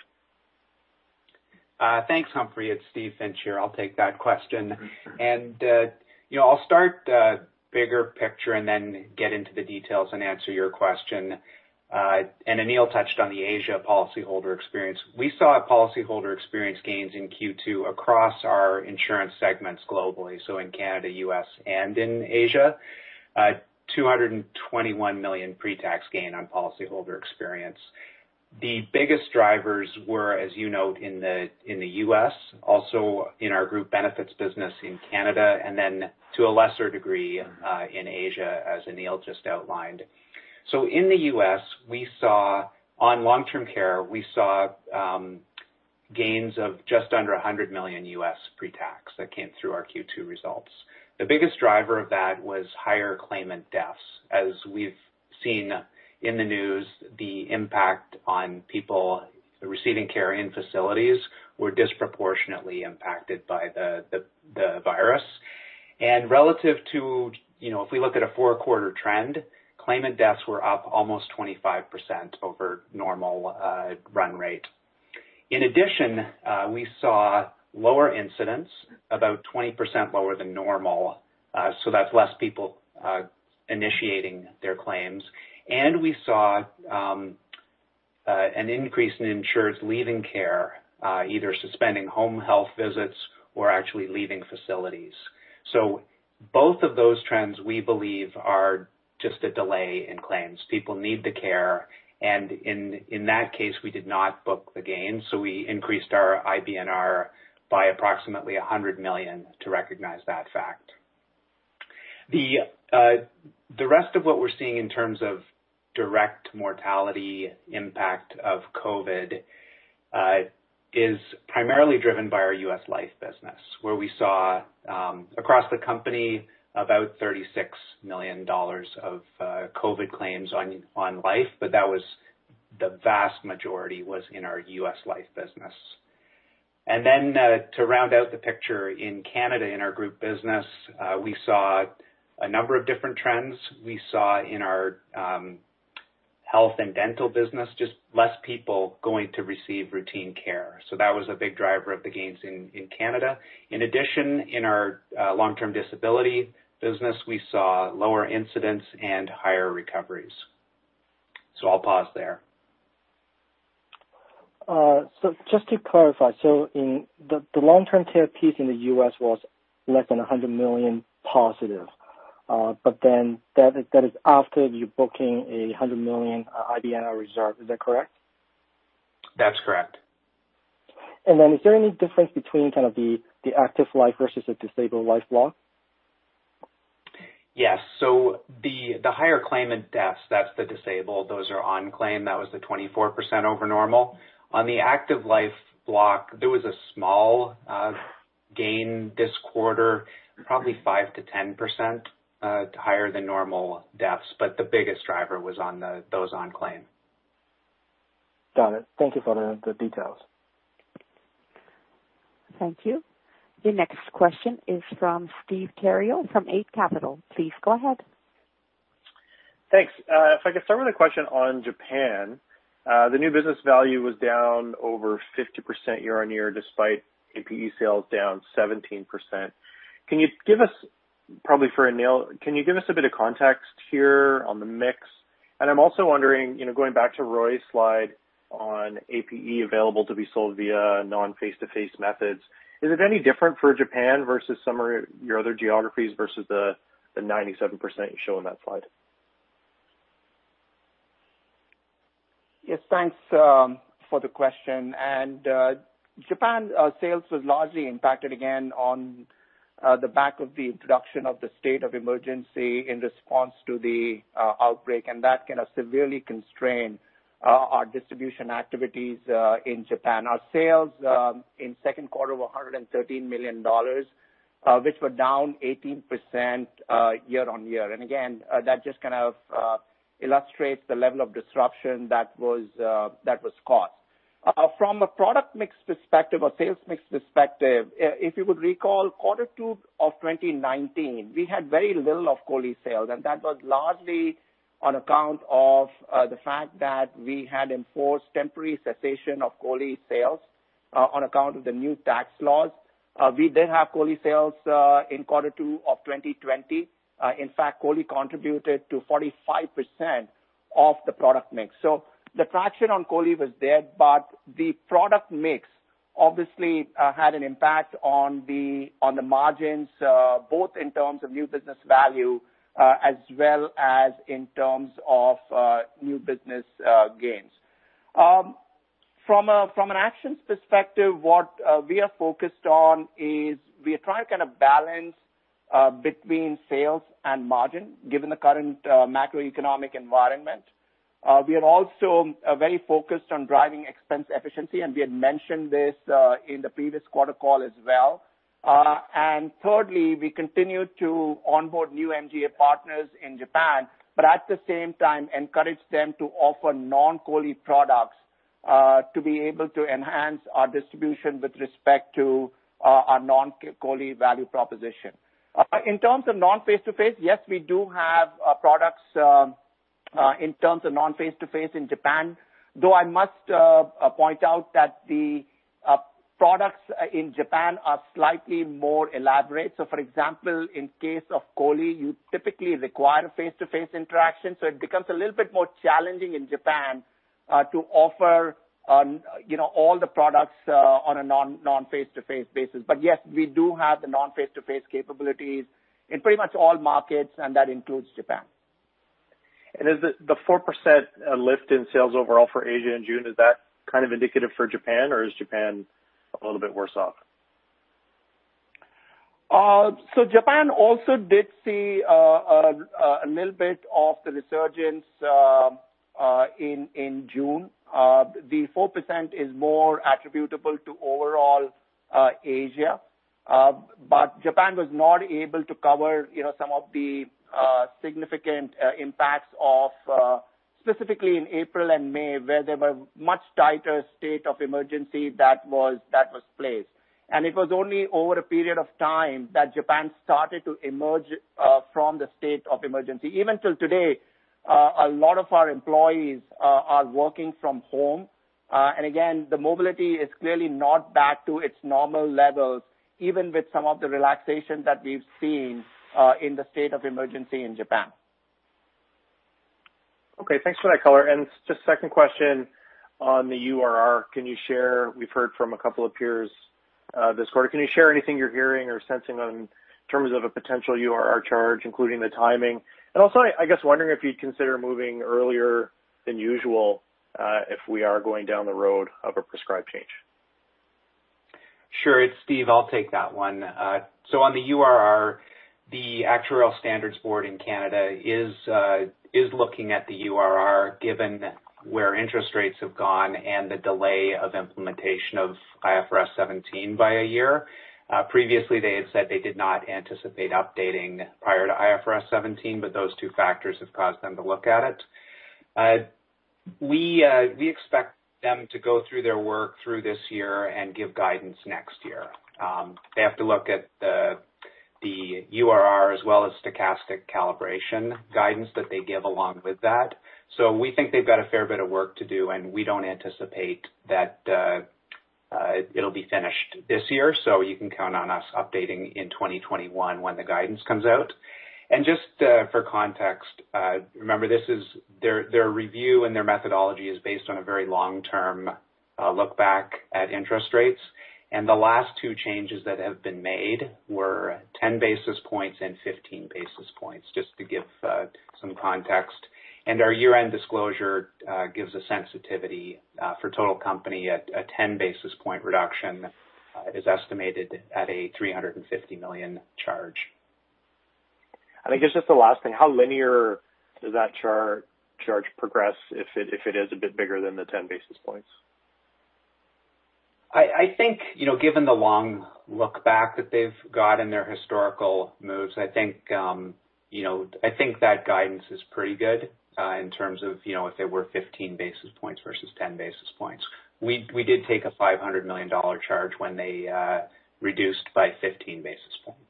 Thanks, Humphrey. It's Steve Finch. I'll take that question. I'll start the bigger picture and then get into the details and answer your question. Anil touched on the Asia policyholder experience. We saw policyholder experience gains in Q2 across our insurance segments globally, so in Canada, U.S., and in Asia, 221 million pre-tax gain on policyholder experience. The biggest drivers were, as you note, in the U.S., also in our group benefits business in Canada, and then to a lesser degree in Asia, as Anil just outlined. In the U.S., we saw on long-term care, we saw gains of just under $100 million pre-tax that came through our Q2 results. The biggest driver of that was higher claimant deaths. As you have seen in the news, the impact on people receiving care in facilities was disproportionately impacted by the virus. Relative to if we look at a four-quarter trend, claimant deaths were up almost 25% over normal run rate. In addition, we saw lower incidents, about 20% lower than normal, so that is fewer people initiating their claims. We saw an increase in insureds leaving care, either suspending home health visits or actually leaving facilities. Both of those trends, we believe, are just a delay in claims. People need the care. In that case, we did not book the gains, so we increased our IBNR by approximately $100 million to recognize that fact. The rest of what we are seeing in terms of direct mortality impact of COVID is primarily driven by our U.S. life business, where we saw across the company about $36 million of COVID claims on life, but the vast majority was in our U.S. life business. To round out the picture, in Canada, in our group business, we saw a number of different trends. We saw in our health and dental business just fewer people going to receive routine care. That was a big driver of the gains in Canada. In addition, in our long-term disability business, we saw lower incidence and higher recoveries. I'll pause there. Just to clarify, the long-term care piece in the U.S. was less than $100 million positive, but that is after you're booking a $100 million IBNR reserve. Is that correct? That's correct. Is there any difference between the active life versus the disabled life block? Yes. The higher claimant deaths, that's the disabled, those are on claim. That was the 24% over normal. On the active life block, there was a small gain this quarter, probably 5%-10% higher than normal deaths, but the biggest driver was on those on claim. Got it. Thank you for the details. Thank you. The next question is from Steve Terrio from Ape Capital. Please go ahead. Thanks. If I could start with a question on Japan, the new business value was down over 50% year-on-year despite APE sales down 17%. Can you give us, probably for Anil, can you give us a bit of context here on the mix? I am also wondering, going back to Roy's slide on APE available to be sold via non-face-to-face methods, is it any different for Japan versus some of your other geographies versus the 97% you show in that slide? Yes. Thanks for the question. Japan's sales was largely impacted, again, on the back of the introduction of the state of emergency in response to the outbreak, and that kind of severely constrained our distribution activities in Japan. Our sales in second quarter were $113 million, which were down 18% year-on-year. That just kind of illustrates the level of disruption that was caused. From a product mix perspective or sales mix perspective, if you would recall quarter two of 2019, we had very little of Coley sales, and that was largely on account of the fact that we had enforced temporary cessation of Coley sales on account of the new tax laws. We did have Coley sales in quarter two of 2020. In fact, Coley contributed to 45% of the product mix. The traction on Coley was there, but the product mix obviously had an impact on the margins, both in terms of new business value as well as in terms of new business gains. From an actions perspective, what we are focused on is we are trying to kind of balance between sales and margin given the current macroeconomic environment. We are also very focused on driving expense efficiency, and we had mentioned this in the previous quarter call as well. Thirdly, we continue to onboard new MGA partners in Japan, but at the same time, encourage them to offer non-Coley products to be able to enhance our distribution with respect to our non-Coley value proposition. In terms of non-face-to-face, yes, we do have products in terms of non-face-to-face in Japan, though I must point out that the products in Japan are slightly more elaborate. For example, in case of Coley, you typically require a face-to-face interaction, so it becomes a little bit more challenging in Japan to offer all the products on a non-face-to-face basis. Yes, we do have the non-face-to-face capabilities in pretty much all markets, and that includes Japan. Is the 4% lift in sales overall for Asia in June, is that kind of indicative for Japan, or is Japan a little bit worse off? Japan also did see a little bit of the resurgence in June. The 4% is more attributable to overall Asia, but Japan was not able to cover some of the significant impacts of specifically in April and May, where there were much tighter states of emergency that was placed. It was only over a period of time that Japan started to emerge from the state of emergency. Even till today, a lot of our employees are working from home. Again, the mobility is clearly not back to its normal levels, even with some of the relaxation that we've seen in the state of emergency in Japan. Okay. Thanks for that color. Just second question on the URR. Can you share? We've heard from a couple of peers this quarter. Can you share anything you're hearing or sensing in terms of a potential URR charge, including the timing? I guess, wondering if you'd consider moving earlier than usual if we are going down the road of a prescribed change. Sure. It's Steve. I'll take that one. On the URR, the Actuarial Standards Board in Canada is looking at the URR given where interest rates have gone and the delay of implementation of IFRS 17 by a year. Previously, they had said they did not anticipate updating prior to IFRS 17, but those two factors have caused them to look at it. We expect them to go through their work through this year and give guidance next year. They have to look at the URR as well as stochastic calibration guidance that they give along with that. We think they've got a fair bit of work to do, and we do not anticipate that it will be finished this year, so you can count on us updating in 2021 when the guidance comes out. Just for context, remember, their review and their methodology is based on a very long-term look back at interest rates. The last two changes that have been made were 10 basis points and 15 basis points, just to give some context. Our year-end disclosure gives a sensitivity for total company at a 10 basis point reduction, which is estimated at a $350 million charge. I think it is just the last thing. How linear does that charge progress if it is a bit bigger than the 10 basis points? I think given the long look back that they've got in their historical moves, I think that guidance is pretty good in terms of if they were 15 basis points versus 10 basis points. We did take a $500 million charge when they reduced by 15 basis points.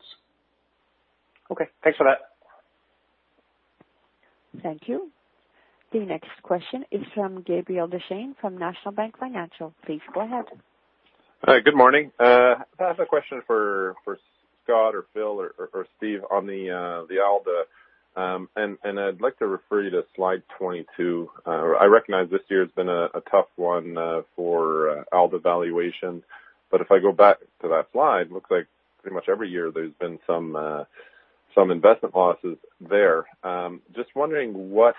Okay. Thanks for that. Thank you. The next question is from Gabriel Dechaine from National Bank Financial. Please go ahead. Good morning. I have a question for Scott or Phil or Steve on the Alder. And I'd like to refer you to slide 22. I recognize this year has been a tough one for Alder valuation, but if I go back to that slide, it looks like pretty much every year there's been some investment losses there. Just wondering what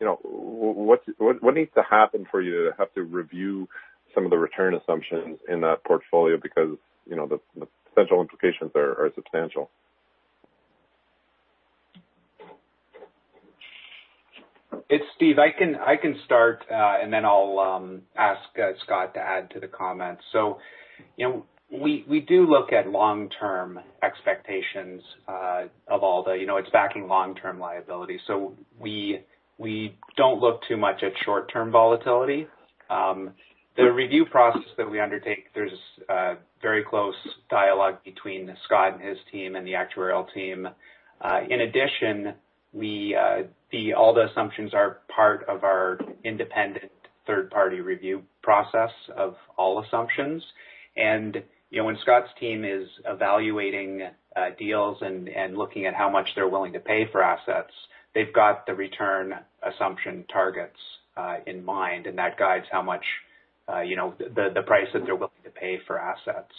needs to happen for you to have to review some of the return assumptions in that portfolio because the potential implications are substantial. It's Steve. I can start, and then I'll ask Scott to add to the comments. We do look at long-term expectations of Alder. It's backing long-term liability. We don't look too much at short-term volatility. The review process that we undertake, there's very close dialogue between Scott and his team and the Actuarial team. In addition, the Alder assumptions are part of our independent third-party review process of all assumptions. When Scott's team is evaluating deals and looking at how much they're willing to pay for assets, they've got the return assumption targets in mind, and that guides how much the price that they're willing to pay for assets.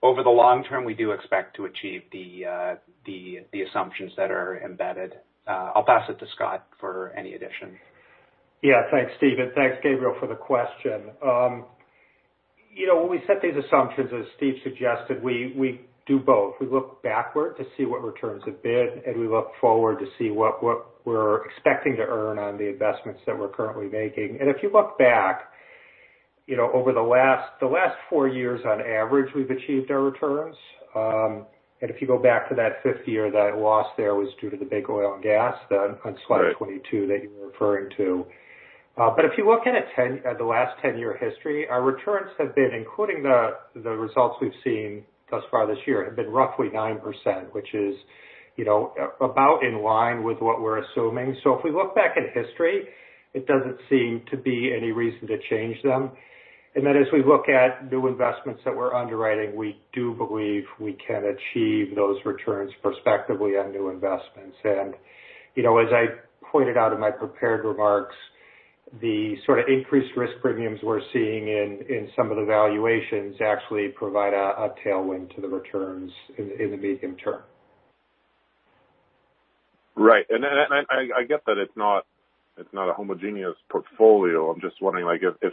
Over the long term, we do expect to achieve the assumptions that are embedded. I'll pass it to Scott for any addition. Yeah. Thanks, Steve. And thanks, Gabriel, for the question. When we set these assumptions, as Steve suggested, we do both. We look backward to see what returns have been, and we look forward to see what we're expecting to earn on the investments that we're currently making. If you look back, over the last four years, on average, we've achieved our returns. If you go back to that fifth year, that loss there was due to the big oil and gas on slide 22 that you were referring to. If you look at the last 10-year history, our returns have been, including the results we've seen thus far this year, have been roughly 9%, which is about in line with what we're assuming. If we look back at history, it does not seem to be any reason to change them. As we look at new investments that we are underwriting, we do believe we can achieve those returns prospectively on new investments. As I pointed out in my prepared remarks, the sort of increased risk premiums we are seeing in some of the valuations actually provide a tailwind to the returns in the medium term. Right. I get that it is not a homogeneous portfolio. I am just wondering if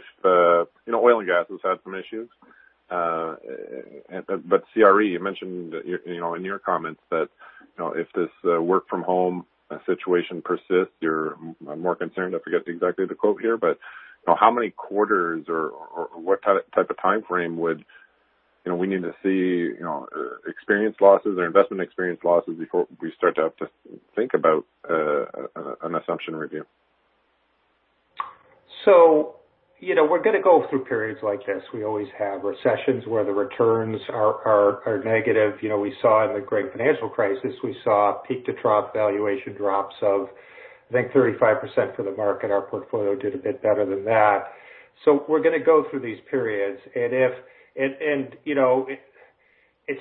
oil and gas has had some issues. CRE, you mentioned in your comments that if this work-from-home situation persists, you are more concerned. I forget exactly the quote here, but how many quarters or what type of time frame would we need to see experience losses or investment experience losses before we start to have to think about an assumption review? We're going to go through periods like this. We always have recessions where the returns are negative. We saw in the great financial crisis, we saw peak-to-trough valuation drops of, I think, 35% for the market. Our portfolio did a bit better than that. We're going to go through these periods. It's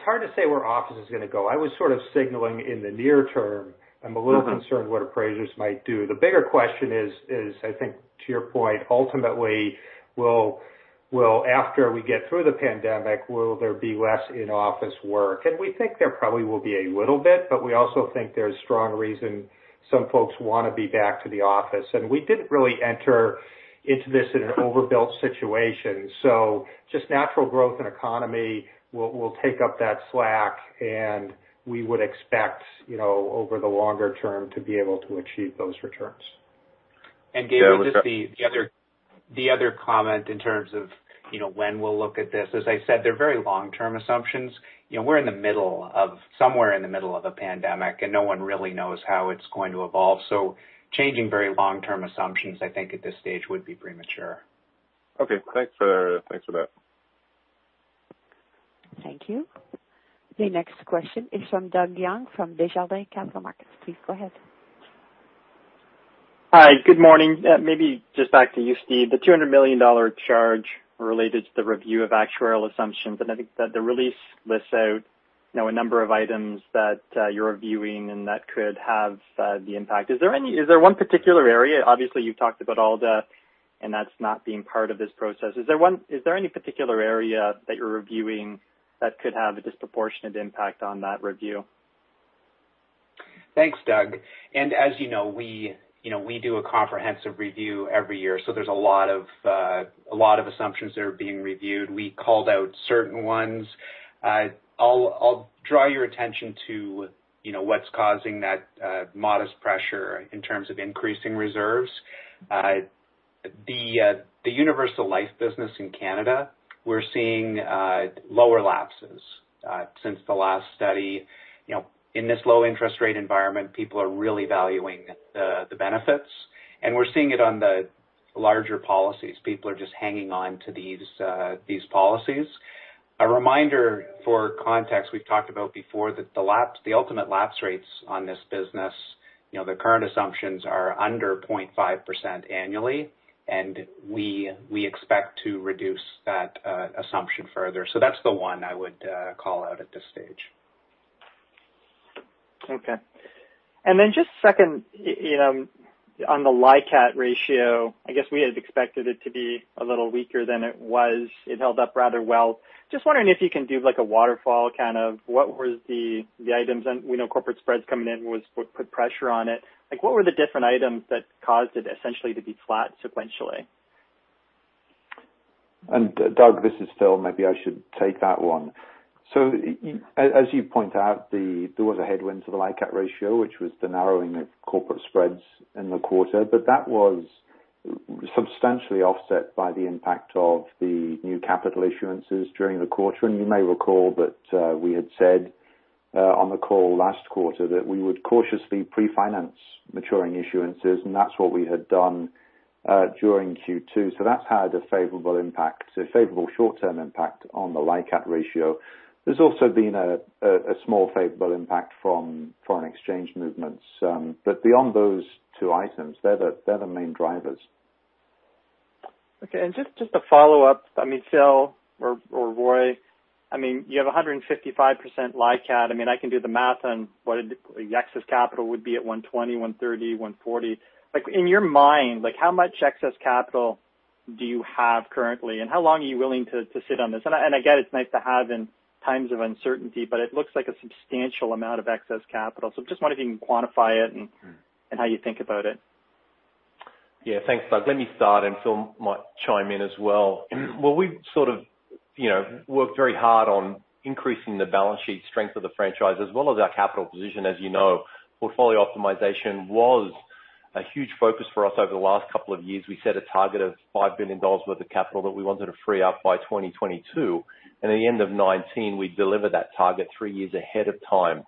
hard to say where office is going to go. I was sort of signaling in the near term. I'm a little concerned what appraisers might do. The bigger question is, I think, to your point, ultimately, after we get through the pandemic, will there be less in-office work? We think there probably will be a little bit, but we also think there's strong reason some folks want to be back to the office. We didn't really enter into this in an overbuilt situation. Just natural growth and economy will take up that slack, and we would expect over the longer term to be able to achieve those returns. Gabriel, just the other comment in terms of when we'll look at this, as I said, they're very long-term assumptions. We're in the middle of somewhere in the middle of a pandemic, and no one really knows how it's going to evolve. Changing very long-term assumptions, I think at this stage would be premature. Okay. Thanks for that. Thank you. The next question is from Doug Young from Desjardins Capital Markets. Please go ahead. Hi. Good morning. Maybe just back to you, Steve. The $200 million charge related to the review of Actuarial Assumptions, and I think that the release lists out a number of items that you're reviewing and that could have the impact. Is there one particular area? Obviously, you've talked about Alder, and that's not being part of this process. Is there any particular area that you're reviewing that could have a disproportionate impact on that review? Thanks, Doug. As you know, we do a comprehensive review every year, so there's a lot of assumptions that are being reviewed. We called out certain ones. I'll draw your attention to what's causing that modest pressure in terms of increasing reserves. The universal life business in Canada, we're seeing lower lapses since the last study. In this low-interest rate environment, people are really valuing the benefits, and we're seeing it on the larger policies. People are just hanging on to these policies. A reminder for context, we've talked about before that the ultimate lapse rates on this business, the current assumptions are under 0.5% annually, and we expect to reduce that assumption further. That is the one I would call out at this stage. Okay. Just second on the LICAT ratio, I guess we had expected it to be a little weaker than it was. It held up rather well. Just wondering if you can do a waterfall, kind of what were the items? We know corporate spreads coming in put pressure on it. What were the different items that caused it essentially to be flat sequentially? Doug, this is Phil. Maybe I should take that one. As you point out, there was a headwind to the LICAT ratio, which was the narrowing of corporate spreads in the quarter, but that was substantially offset by the impact of the new capital issuances during the quarter. You may recall that we had said on the call last quarter that we would cautiously pre-finance maturing issuances, and that's what we had done during Q2. That has had a favorable short-term impact on the LICAT ratio. There has also been a small favorable impact from foreign exchange movements. Beyond those two items, they are the main drivers. Okay. Just to follow up, I mean, Phil or Roy, you have 155% LICAT. I can do the math on what the excess capital would be at 120, 130, 140. In your mind, how much excess capital do you have currently, and how long are you willing to sit on this? Again, it's nice to have in times of uncertainty, but it looks like a substantial amount of excess capital. Just wondering if you can quantify it and how you think about it. Yeah. Thanks, Doug. Let me start, and Phil might chime in as well. We've sort of worked very hard on increasing the balance sheet strength of the franchise as well as our capital position. As you know, portfolio optimization was a huge focus for us over the last couple of years. We set a target of $5 billion worth of capital that we wanted to free up by 2022. At the end of 2019, we delivered that target three years ahead of time,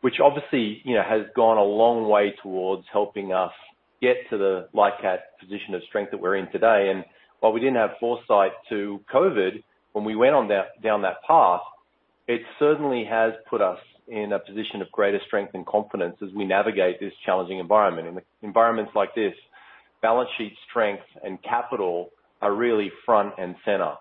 which obviously has gone a long way towards helping us get to the LICAT position of strength that we're in today. While we didn't have foresight to COVID when we went down that path, it certainly has put us in a position of greater strength and confidence as we navigate this challenging environment. In environments like this, balance sheet strength and capital are really front and center.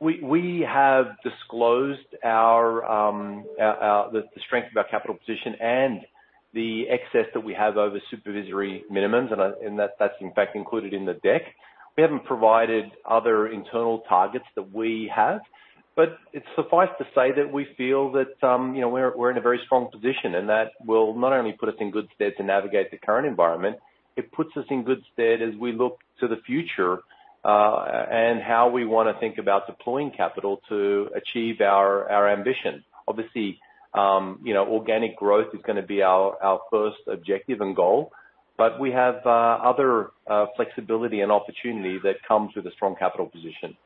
We have disclosed the strength of our capital position and the excess that we have over supervisory minimums, and that is in fact included in the deck. We have not provided other internal targets that we have, but it suffices to say that we feel that we are in a very strong position and that will not only put us in good stead to navigate the current environment, it puts us in good stead as we look to the future and how we want to think about deploying capital to achieve our ambition. Obviously, organic growth is going to be our first objective and goal, but we have other flexibility and opportunity that comes with a strong capital position.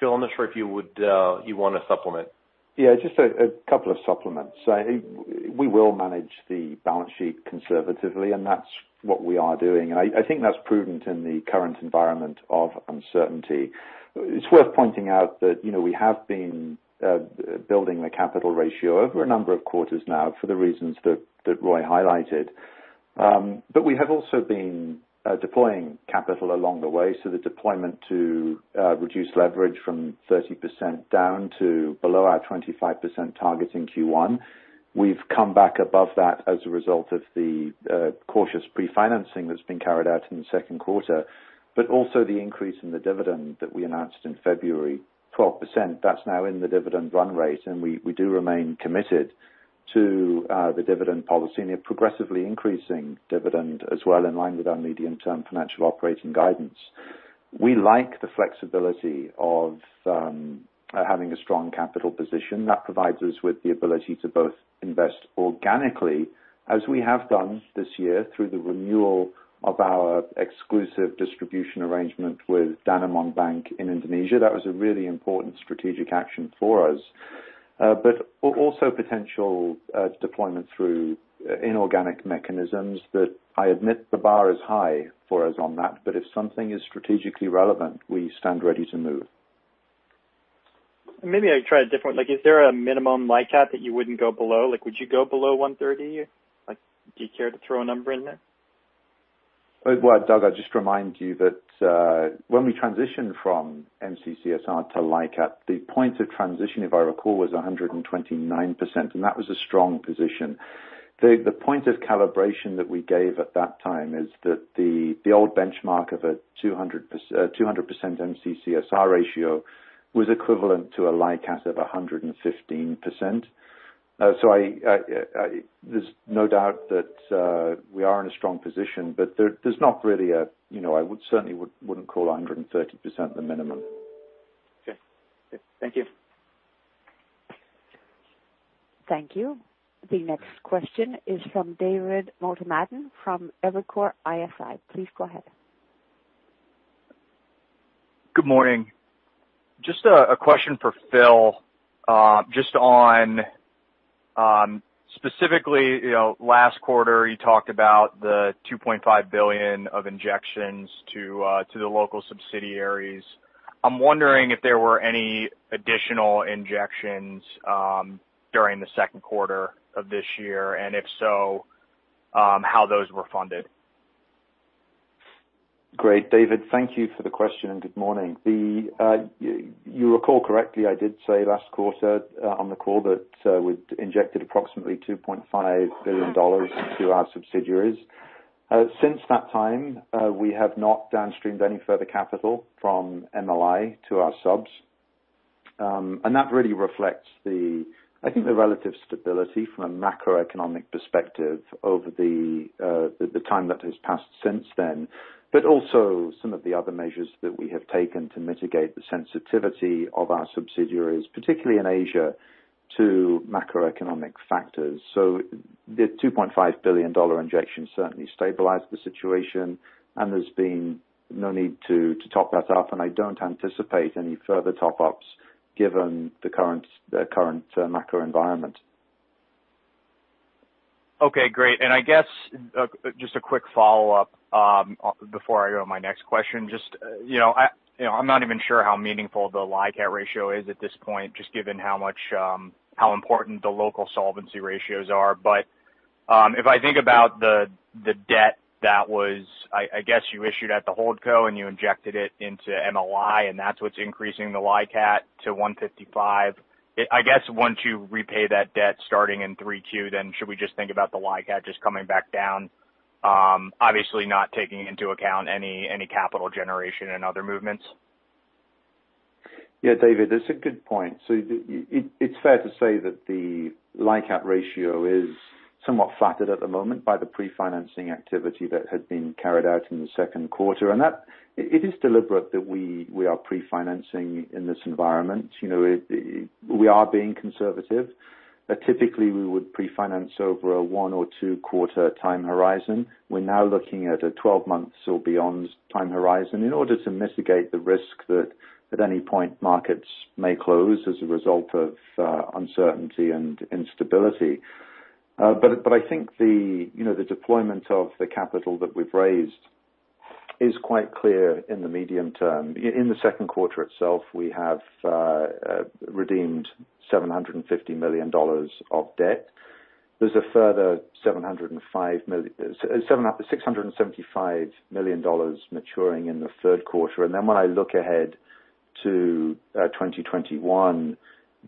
Phil, I am not sure if you want to supplement. Yeah. Just a couple of supplements. We will manage the balance sheet conservatively, and that's what we are doing. I think that's prudent in the current environment of uncertainty. It's worth pointing out that we have been building the capital ratio over a number of quarters now for the reasons that Roy highlighted. We have also been deploying capital along the way. The deployment to reduce leverage from 30% down to below our 25% target in Q1. We've come back above that as a result of the cautious pre-financing that's been carried out in the second quarter, and also the increase in the dividend that we announced in February, 12%. That's now in the dividend run rate, and we do remain committed to the dividend policy and the progressively increasing dividend as well in line with our medium-term financial operating guidance. We like the flexibility of having a strong capital position. That provides us with the ability to both invest organically, as we have done this year through the renewal of our exclusive distribution arrangement with Danamon Bank in Indonesia. That was a really important strategic action for us, but also potential deployment through inorganic mechanisms that I admit the bar is high for us on that. If something is strategically relevant, we stand ready to move. Maybe I'd try a different is there a minimum LICAT that you wouldn't go below? Would you go below 130%? Do you care to throw a number in there? Doug, I'll just remind you that when we transitioned from MCCSR to LICAT, the point of transition, if I recall, was 129%, and that was a strong position. The point of calibration that we gave at that time is that the old benchmark of a 200% MCCSR ratio was equivalent to a LICAT of 115%. So there's no doubt that we are in a strong position, but there's not really a I certainly would not call 130% the minimum. Okay. Thank you. Thank you. The next question is from David Motemaden from Evercore ISI. Please go ahead. Good morning. Just a question for Phil, just on specifically last quarter, you talked about the $2.5 billion of injections to the local subsidiaries. I'm wondering if there were any additional injections during the second quarter of this year, and if so, how those were funded. Great. David, thank you for the question, and good morning. You recall correctly, I did say last quarter on the call that we injected approximately $2.5 billion to our subsidiaries. Since that time, we have not downstreamed any further capital from MLI to our subs. That really reflects, I think, the relative stability from a macroeconomic perspective over the time that has passed since then, but also some of the other measures that we have taken to mitigate the sensitivity of our subsidiaries, particularly in Asia, to macroeconomic factors. The $2.5 billion injection certainly stabilized the situation, and there has been no need to top that up, and I do not anticipate any further top-ups given the current macro environment. Okay. Great. I guess just a quick follow-up before I go to my next question. I am not even sure how meaningful the LICAT ratio is at this point, just given how important the local solvency ratios are. If I think about the debt that was, I guess, you issued at the hold co, and you injected it into MLI, and that's what's increasing the LICAT to 155. I guess once you repay that debt starting in Q3, then should we just think about the LICAT just coming back down, obviously not taking into account any capital generation and other movements? Yeah. David, that's a good point. It's fair to say that the LICAT ratio is somewhat flattered at the moment by the pre-financing activity that had been carried out in the second quarter. It is deliberate that we are pre-financing in this environment. We are being conservative. Typically, we would pre-finance over a one or two-quarter time horizon. We're now looking at a 12-month or beyond time horizon in order to mitigate the risk that at any point markets may close as a result of uncertainty and instability. I think the deployment of the capital that we've raised is quite clear in the medium term. In the second quarter itself, we have redeemed $750 million of debt. There's a further $675 million maturing in the third quarter. When I look ahead to 2021,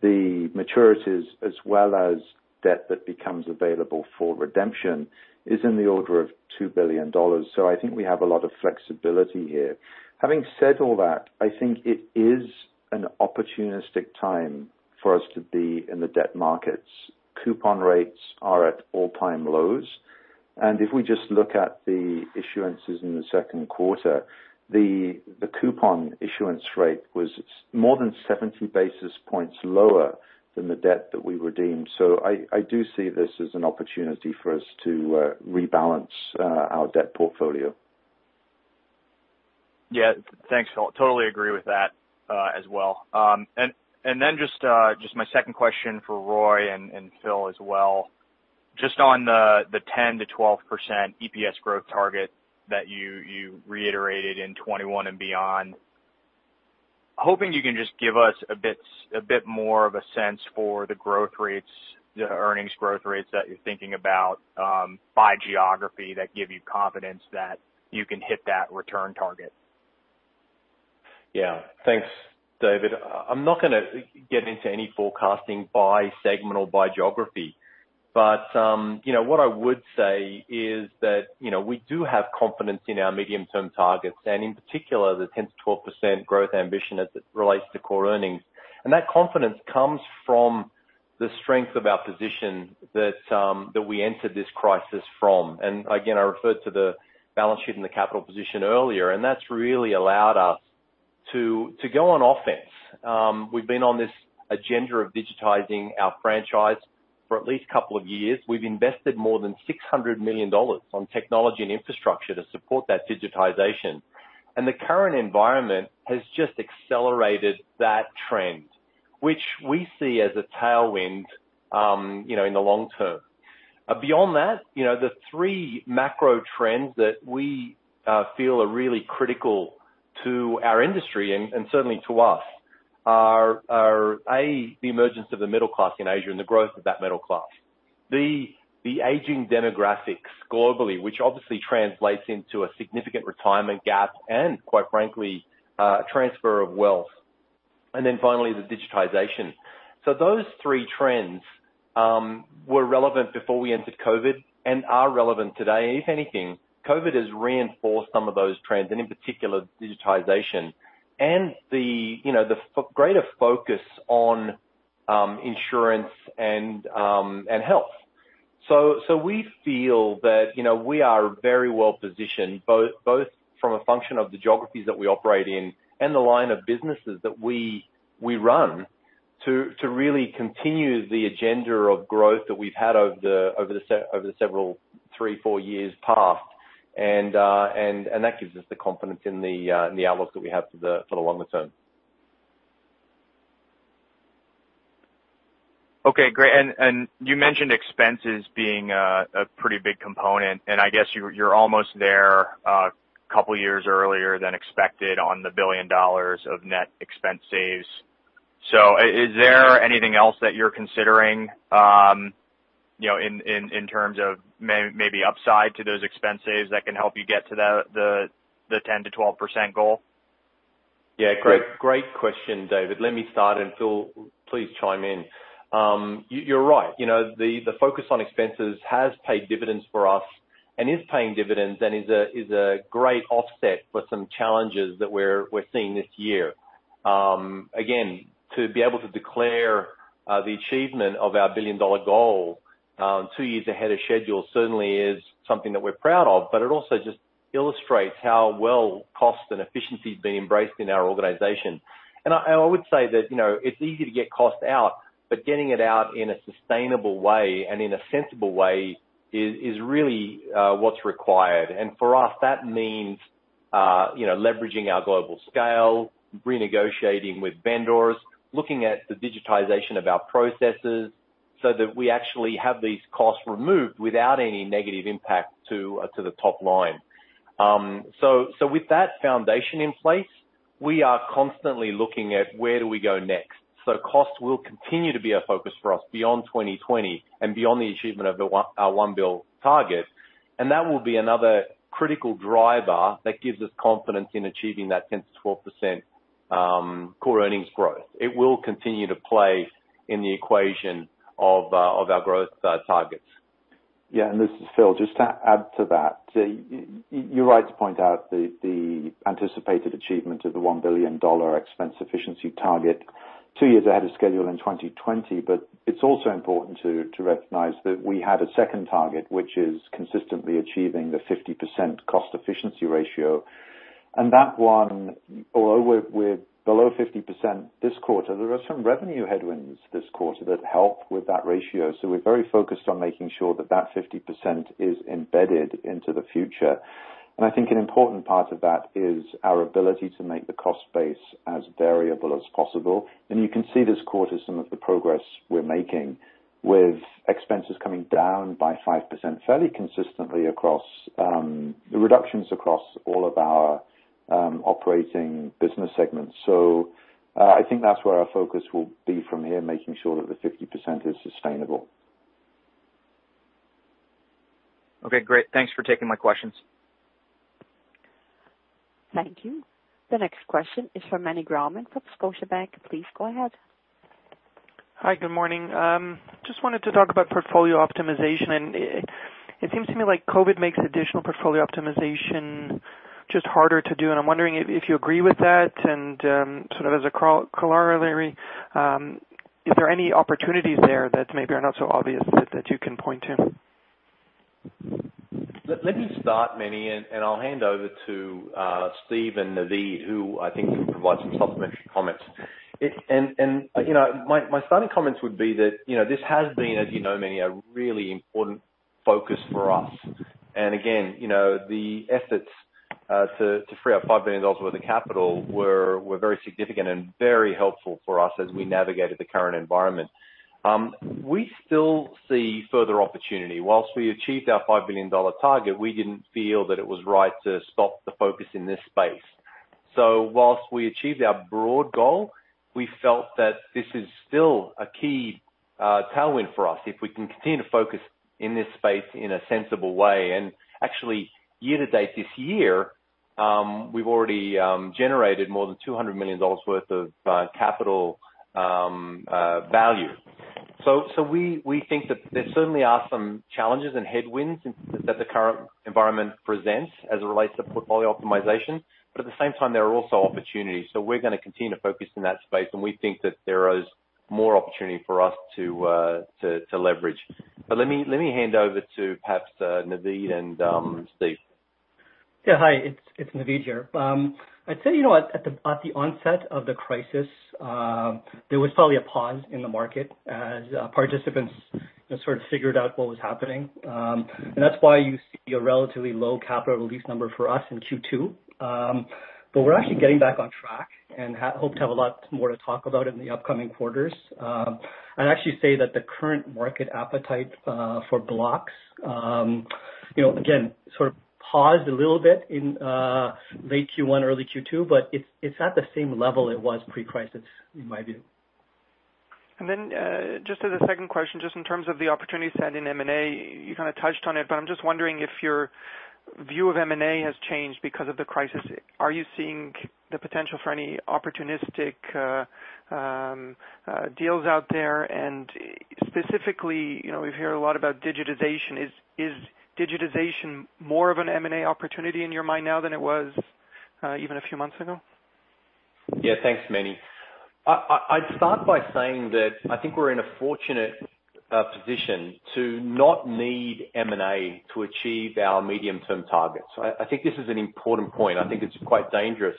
the maturities, as well as debt that becomes available for redemption, is in the order of $2 billion. I think we have a lot of flexibility here. Having said all that, I think it is an opportunistic time for us to be in the debt markets. Coupon rates are at all-time lows. If we just look at the issuances in the second quarter, the coupon issuance rate was more than 70 basis points lower than the debt that we redeemed. I do see this as an opportunity for us to rebalance our debt portfolio. Yeah. Thanks, Phil. Totally agree with that as well. My second question for Roy and Phil as well, just on the 10%-12% EPS growth target that you reiterated in 2021 and beyond, hoping you can just give us a bit more of a sense for the earnings growth rates that you're thinking about by geography that give you confidence that you can hit that return target. Yeah. Thanks, David. I'm not going to get into any forecasting by segment or by geography, but what I would say is that we do have confidence in our medium-term targets, and in particular, the 10-12% growth ambition as it relates to core earnings. That confidence comes from the strength of our position that we entered this crisis from. I referred to the balance sheet and the capital position earlier, and that's really allowed us to go on offense. We've been on this agenda of digitizing our franchise for at least a couple of years. We've invested more than 600 million dollars on technology and infrastructure to support that digitization. The current environment has just accelerated that trend, which we see as a tailwind in the long term. Beyond that, the three macro trends that we feel are really critical to our industry and certainly to us are, A, the emergence of the middle class in Asia and the growth of that middle class, the aging demographics globally, which obviously translates into a significant retirement gap and, quite frankly, transfer of wealth, and then finally, the digitization. Those three trends were relevant before we entered COVID and are relevant today. If anything, COVID has reinforced some of those trends, and in particular, digitization and the greater focus on insurance and health. We feel that we are very well positioned, both from a function of the geographies that we operate in and the line of businesses that we run, to really continue the agenda of growth that we've had over the several three, four years past. That gives us the confidence in the outlook that we have for the longer term. Okay. Great. You mentioned expenses being a pretty big component, and I guess you're almost there a couple of years earlier than expected on the billion dollars of net expense saves. Is there anything else that you're considering in terms of maybe upside to those expense saves that can help you get to the 10-12% goal? Yeah. Great question, David. Let me start, and Phil, please chime in. You're right. The focus on expenses has paid dividends for us and is paying dividends and is a great offset for some challenges that we're seeing this year. Again, to be able to declare the achievement of our billion-dollar goal two years ahead of schedule certainly is something that we're proud of, but it also just illustrates how well cost and efficiency have been embraced in our organization. I would say that it's easy to get cost out, but getting it out in a sustainable way and in a sensible way is really what's required. For us, that means leveraging our global scale, renegotiating with vendors, looking at the digitization of our processes so that we actually have these costs removed without any negative impact to the top line. With that foundation in place, we are constantly looking at where do we go next. Cost will continue to be a focus for us beyond 2020 and beyond the achievement of our one billion target. That will be another critical driver that gives us confidence in achieving that 10%-12% core earnings growth. It will continue to play in the equation of our growth targets. Yeah. Phil, just to add to that, you're right to point out the anticipated achievement of the $1 billion expense efficiency target two years ahead of schedule in 2020, but it's also important to recognize that we had a second target, which is consistently achieving the 50% cost efficiency ratio. That one, although we're below 50% this quarter, there are some revenue headwinds this quarter that help with that ratio. We are very focused on making sure that 50% is embedded into the future. I think an important part of that is our ability to make the cost base as variable as possible. You can see this quarter some of the progress we're making with expenses coming down by 5% fairly consistently across the reductions across all of our operating business segments. I think that's where our focus will be from here, making sure that the 50% is sustainable. Okay. Great. Thanks for taking my questions. Thank you. The next question is from Meny Grauman from Scotia Bank. Please go ahead. Hi. Good morning. Just wanted to talk about portfolio optimization. It seems to me like COVID makes additional portfolio optimization just harder to do. I'm wondering if you agree with that. And sort of as a corollary, is there any opportunities there that maybe are not so obvious that you can point to? Let me start, Meny, and I'll hand over to Steve and Naveed, who I think can provide some supplementary comments. My starting comments would be that this has been, as you know, Meny, a really important focus for us. Again, the efforts to free up 5 billion dollars worth of capital were very significant and very helpful for us as we navigated the current environment. We still see further opportunity. Whilst we achieved our 5 billion dollar target, we did not feel that it was right to stop the focus in this space. Whilst we achieved our broad goal, we felt that this is still a key tailwind for us if we can continue to focus in this space in a sensible way. Actually, year to date this year, we have already generated more than 200 million dollars worth of capital value. We think that there certainly are some challenges and headwinds that the current environment presents as it relates to portfolio optimization. At the same time, there are also opportunities. We are going to continue to focus in that space, and we think that there is more opportunity for us to leverage. Let me hand over to perhaps Naveed and Steve. Yeah. Hi. It's Naveed here. I'd say at the onset of the crisis, there was probably a pause in the market as participants sort of figured out what was happening. That is why you see a relatively low capital release number for us in Q2. We are actually getting back on track and hope to have a lot more to talk about in the upcoming quarters. I'd actually say that the current market appetite for blocks, again, sort of paused a little bit in late Q1, early Q2, but it is at the same level it was pre-crisis, in my view. Just as a second question, in terms of the opportunity set in M&A, you kind of touched on it, but I'm just wondering if your view of M&A has changed because of the crisis. Are you seeing the potential for any opportunistic deals out there? Specifically, we've heard a lot about digitization. Is digitization more of an M&A opportunity in your mind now than it was even a few months ago? Yeah. Thanks, Meny. I'd start by saying that I think we're in a fortunate position to not need M&A to achieve our medium-term targets. I think this is an important point. I think it's quite dangerous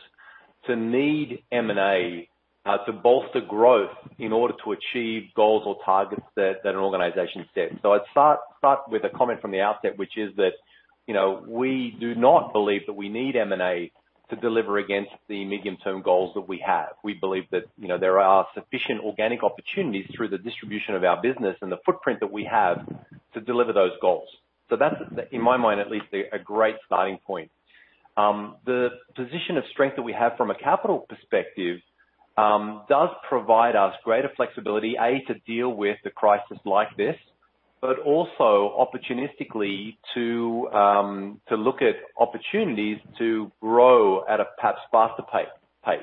to need M&A to bolster growth in order to achieve goals or targets that an organization sets. I'd start with a comment from the outset, which is that we do not believe that we need M&A to deliver against the medium-term goals that we have. We believe that there are sufficient organic opportunities through the distribution of our business and the footprint that we have to deliver those goals. That's, in my mind, at least, a great starting point. The position of strength that we have from a capital perspective does provide us greater flexibility, A, to deal with a crisis like this, but also opportunistically to look at opportunities to grow at a perhaps faster pace.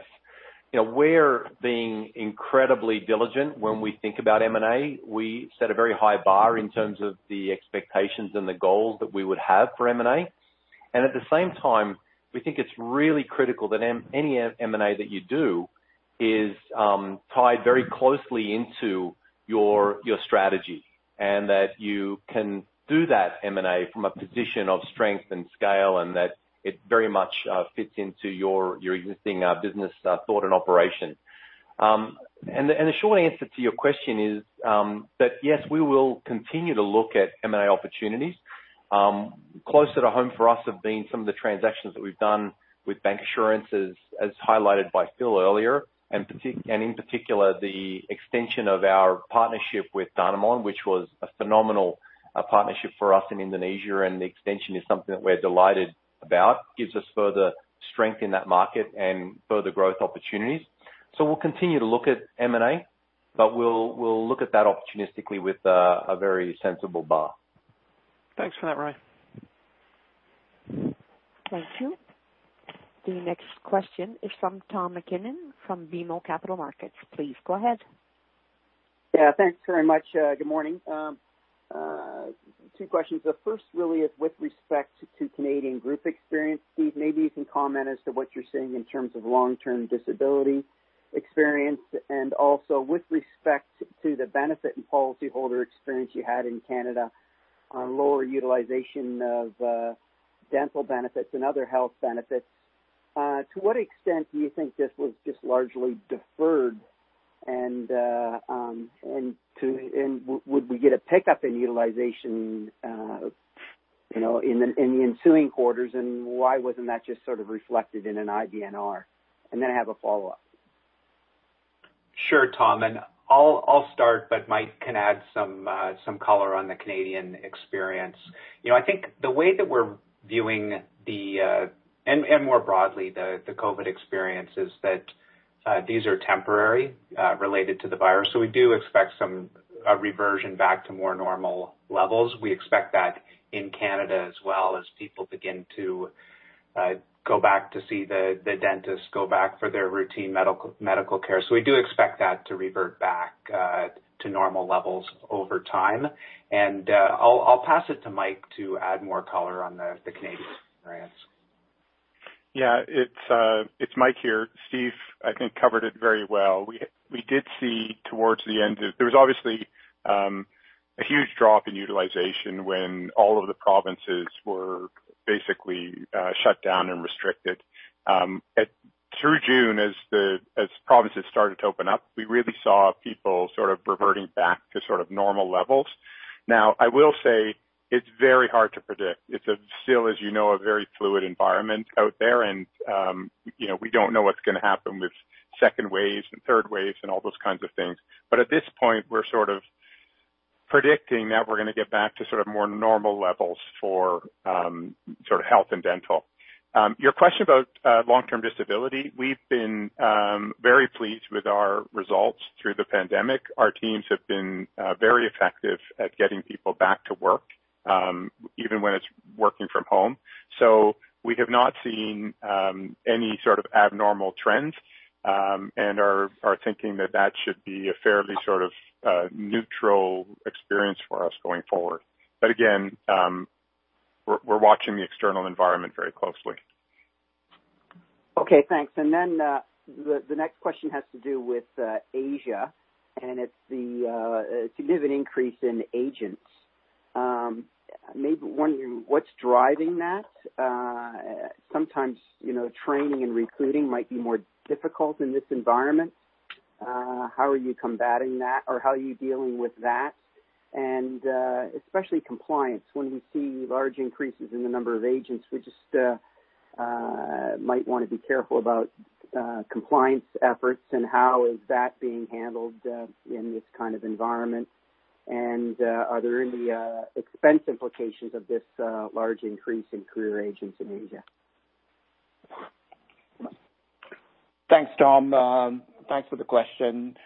We're being incredibly diligent when we think about M&A. We set a very high bar in terms of the expectations and the goals that we would have for M&A. At the same time, we think it's really critical that any M&A that you do is tied very closely into your strategy and that you can do that M&A from a position of strength and scale and that it very much fits into your existing business thought and operation. The short answer to your question is that, yes, we will continue to look at M&A opportunities. Closer to home for us have been some of the transactions that we've done with bank assurances, as highlighted by Phil earlier, and in particular, the extension of our partnership with Danamon, which was a phenomenal partnership for us in Indonesia. The extension is something that we're delighted about. It gives us further strength in that market and further growth opportunities. We will continue to look at M&A, but we'll look at that opportunistically with a very sensible bar. Thanks for that, Roy. Thank you. The next question is from Tom MacKinnon from BMO Capital Markets. Please go ahead. Yeah. Thanks very much. Good morning. Two questions. The first really is with respect to Canadian group experience. Steve, maybe you can comment as to what you're seeing in terms of long-term disability experience and also with respect to the benefit and policyholder experience you had in Canada on lower utilization of dental benefits and other health benefits. To what extent do you think this was just largely deferred, and would we get a pickup in utilization in the ensuing quarters, and why wasn't that just sort of reflected in an IBNR? I have a follow-up. Sure, Tom. I'll start, but Mike can add some color on the Canadian experience. I think the way that we're viewing the, and more broadly, the COVID experience is that these are temporary related to the virus. We do expect some reversion back to more normal levels. We expect that in Canada as well as people begin to go back to see the dentist, go back for their routine medical care. We do expect that to revert back to normal levels over time. I'll pass it to Mike to add more color on the Canadian experience. Yeah. It's Mike here. Steve, I think, covered it very well. We did see towards the end of there was obviously a huge drop in utilization when all of the provinces were basically shut down and restricted. Through June, as provinces started to open up, we really saw people sort of reverting back to sort of normal levels. Now, I will say it's very hard to predict. It's still, as you know, a very fluid environment out there, and we don't know what's going to happen with second waves and third waves and all those kinds of things. At this point, we're sort of predicting that we're going to get back to sort of more normal levels for sort of health and dental. Your question about long-term disability, we've been very pleased with our results through the pandemic. Our teams have been very effective at getting people back to work, even when it's working from home. We have not seen any sort of abnormal trends and are thinking that that should be a fairly sort of neutral experience for us going forward. Again, we're watching the external environment very closely. Okay. Thanks. The next question has to do with Asia, and it's the significant increase in agents. Maybe wondering what's driving that. Sometimes training and recruiting might be more difficult in this environment. How are you combating that, or how are you dealing with that? Especially compliance. When we see large increases in the number of agents, we just might want to be careful about compliance efforts and how is that being handled in this kind of environment. Are there any expense implications of this large increase in career agents in Asia? Thanks, Tom. Thanks for the question.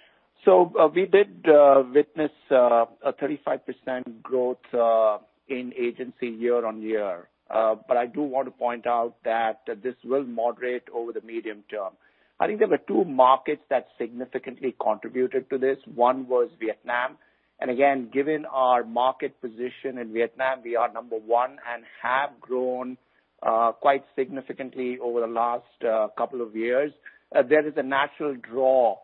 We did witness a 35% growth in agency year on year. I do want to point out that this will moderate over the medium term. I think there were two markets that significantly contributed to this. One was Vietnam. Given our market position in Vietnam, we are number one and have grown quite significantly over the last couple of years. There is a natural draw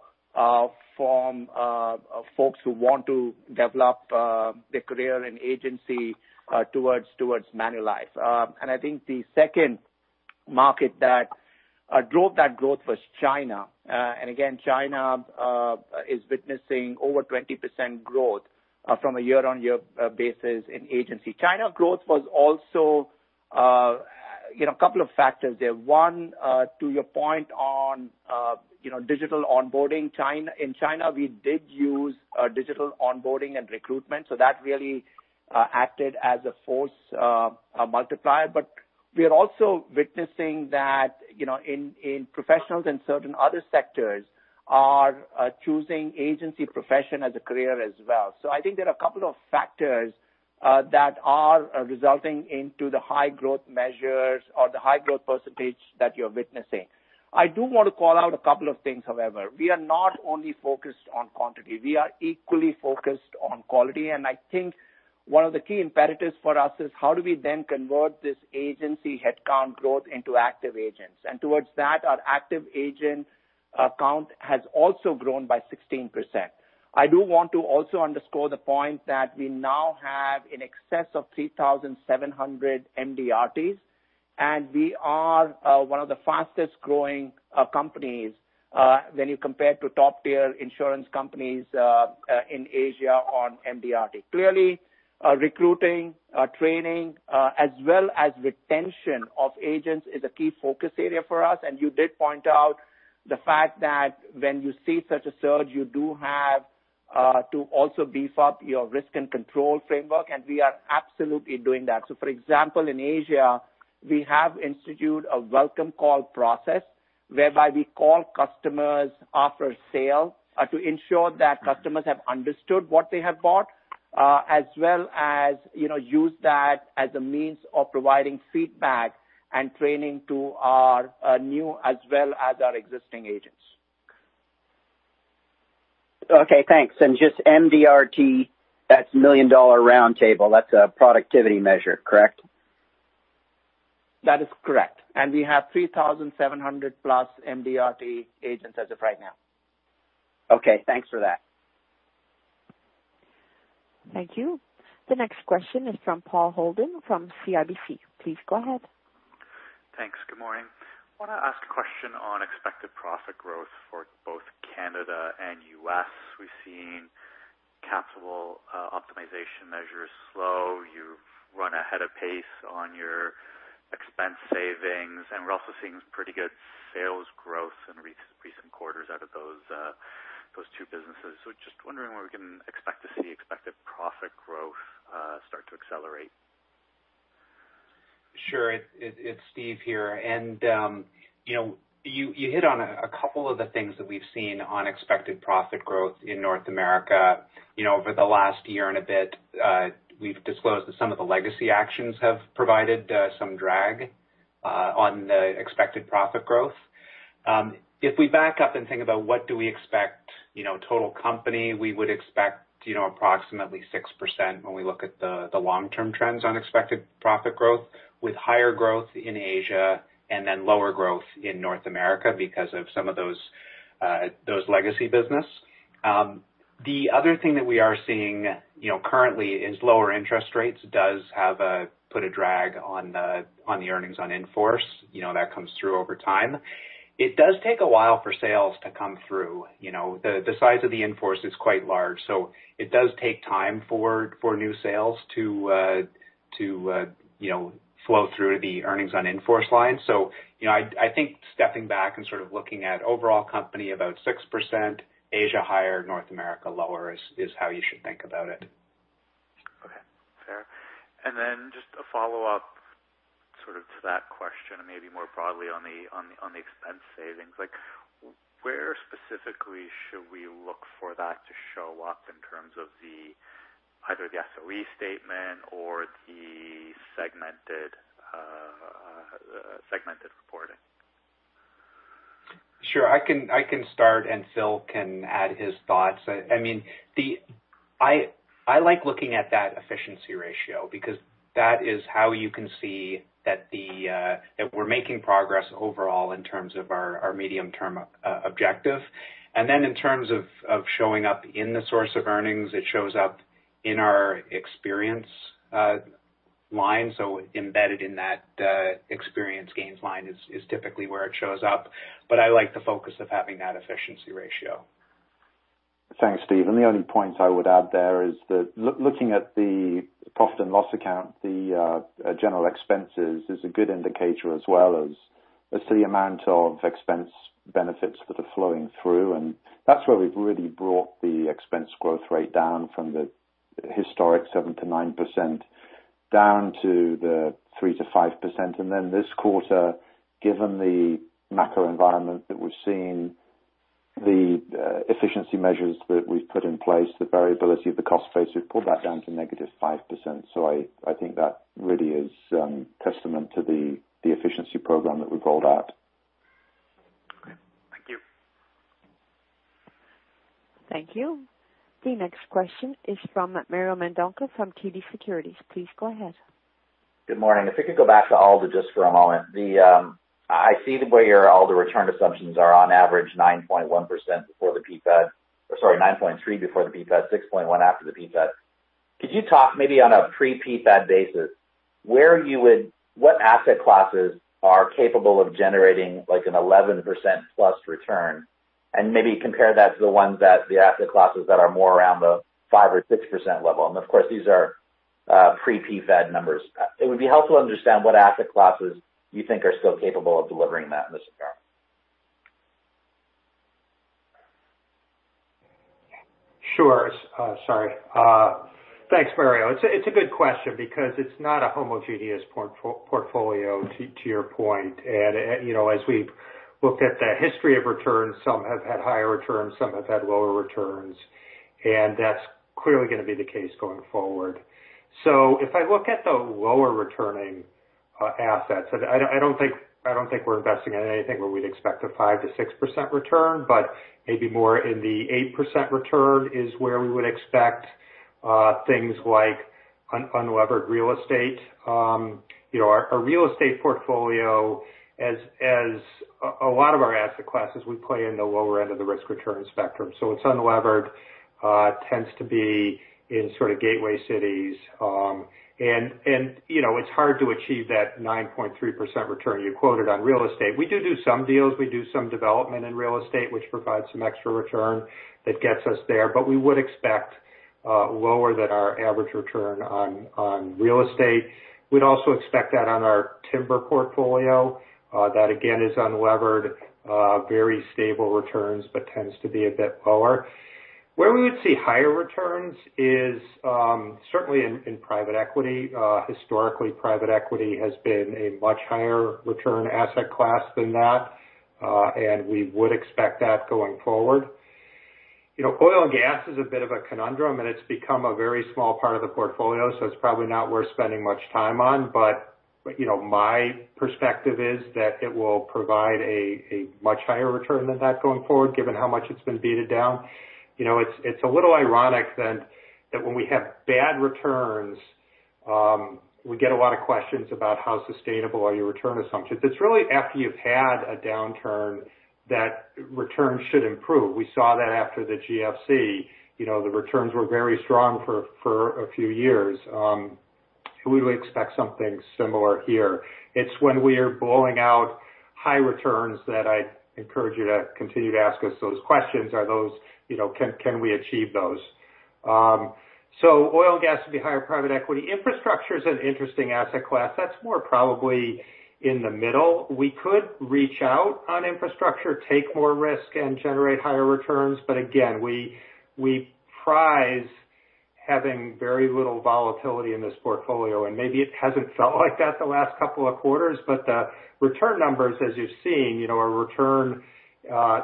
from folks who want to develop their career and agency towards Manulife. I think the second market that drove that growth was China. China is witnessing over 20% growth from a year-on-year basis in agency. China growth was also a couple of factors there. One, to your point on digital onboarding. In China, we did use digital onboarding and recruitment. That really acted as a force multiplier. We are also witnessing that professionals and certain other sectors are choosing agency profession as a career as well. I think there are a couple of factors that are resulting in the high growth measures or the high growth percentage that you are witnessing. I do want to call out a couple of things, however. We are not only focused on quantity. We are equally focused on quality. I think one of the key imperatives for us is how do we then convert this agency headcount growth into active agents. Towards that, our active agent count has also grown by 16%. I do want to also underscore the point that we now have in excess of 3,700 MDRTs, and we are one of the fastest-growing companies when you compare to top-tier insurance companies in Asia on MDRT. Clearly, recruiting, training, as well as retention of agents is a key focus area for us. You did point out the fact that when you see such a surge, you do have to also beef up your risk and control framework, and we are absolutely doing that. For example, in Asia, we have instituted a welcome call process whereby we call customers after sale to ensure that customers have understood what they have bought, as well as use that as a means of providing feedback and training to our new as well as our existing agents. Okay. Thanks. Just MDRT, that's million-dollar roundtable. That's a productivity measure, correct? That is correct. We have 3,700-plus MDRT agents as of right now. Okay. Thanks for that. Thank you. The next question is from Paul Holden from CIBC. Please go ahead. Thanks. Good morning. I want to ask a question on expected profit growth for both Canada and U.S., We've seen capital optimization measures slow. You've run ahead of pace on your expense savings, and we're also seeing pretty good sales growth in recent quarters out of those two businesses. Just wondering where we can expect to see expected profit growth start to accelerate. Sure. It's Steve here. You hit on a couple of the things that we've seen on expected profit growth in North America over the last year and a bit. We've disclosed that some of the legacy actions have provided some drag on the expected profit growth. If we back up and think about what do we expect total company, we would expect approximately 6% when we look at the long-term trends on expected profit growth, with higher growth in Asia and then lower growth in North America because of some of those legacy business. The other thing that we are seeing currently is lower interest rates does put a drag on the earnings on in-force. That comes through over time. It does take a while for sales to come through. The size of the in-force is quite large, so it does take time for new sales to flow through the earnings on in-force line. I think stepping back and sort of looking at overall company about 6%, Asia higher, North America lower is how you should think about it. Okay. Fair. Just a follow-up sort of to that question and maybe more broadly on the expense savings. Where specifically should we look for that to show up in terms of either the SOE statement or the segmented reporting? Sure. I can start, and Phil can add his thoughts. I mean, I like looking at that efficiency ratio because that is how you can see that we're making progress overall in terms of our medium-term objective. In terms of showing up in the source of earnings, it shows up in our experience line. Embedded in that experience gains line is typically where it shows up. I like the focus of having that efficiency ratio. Thanks, Steve. The only points I would add there is that looking at the profit and loss account, the general expenses is a good indicator as well as the amount of expense benefits that are flowing through. That is where we have really brought the expense growth rate down from the historic 7-9% down to the 3-5%. This quarter, given the macro environment that we have seen, the efficiency measures that we have put in place, the variability of the cost basis, pulled that down to negative 5%. I think that really is testament to the efficiency program that we have rolled out. Thank you. Thank you. The next question is from Mario Mendonca from TD Securities. Please go ahead. Good morning. If we could go back to Alder just for a moment. I see where all the return assumptions are on average 9.3% before the PFAD, 6.1% after the PFAD. Could you talk maybe on a pre-PFAD basis where you would, what asset classes are capable of generating an 11%-plus return and maybe compare that to the asset classes that are more around the 5% or 6% level? Of course, these are pre-PFAD numbers. It would be helpful to understand what asset classes you think are still capable of delivering that in this environment. Sure. Sorry. Thanks, Mario. It's a good question because it's not a homogeneous portfolio to your point. As we've looked at the history of returns, some have had higher returns, some have had lower returns, and that's clearly going to be the case going forward. If I look at the lower-returning assets, I don't think we're investing in anything where we'd expect a 5-6% return, but maybe more in the 8% return is where we would expect things like unlevered real estate. Our real estate portfolio, as a lot of our asset classes, we play in the lower end of the risk-return spectrum. It's unlevered, tends to be in sort of gateway cities. It's hard to achieve that 9.3% return you quoted on real estate. We do do some deals. We do some development in real estate, which provides some extra return that gets us there. We would expect lower than our average return on real estate. We'd also expect that on our timber portfolio. That, again, is unlevered, very stable returns, but tends to be a bit lower. Where we would see higher returns is certainly in private equity. Historically, private equity has been a much higher-return asset class than that, and we would expect that going forward. Oil and gas is a bit of a conundrum, and it has become a very small part of the portfolio, so it is probably not worth spending much time on. My perspective is that it will provide a much higher return than that going forward, given how much it has been beat down. It is a little ironic that when we have bad returns, we get a lot of questions about how sustainable are your return assumptions. It is really after you have had a downturn that returns should improve. We saw that after the GFC. The returns were very strong for a few years. We would expect something similar here. It's when we are blowing out high returns that I encourage you to continue to ask us those questions. Are those can we achieve those? Oil and gas would be higher. Private equity, infrastructure is an interesting asset class. That's more probably in the middle. We could reach out on infrastructure, take more risk, and generate higher returns. Again, we prize having very little volatility in this portfolio. Maybe it hasn't felt like that the last couple of quarters, but the return numbers, as you've seen, our return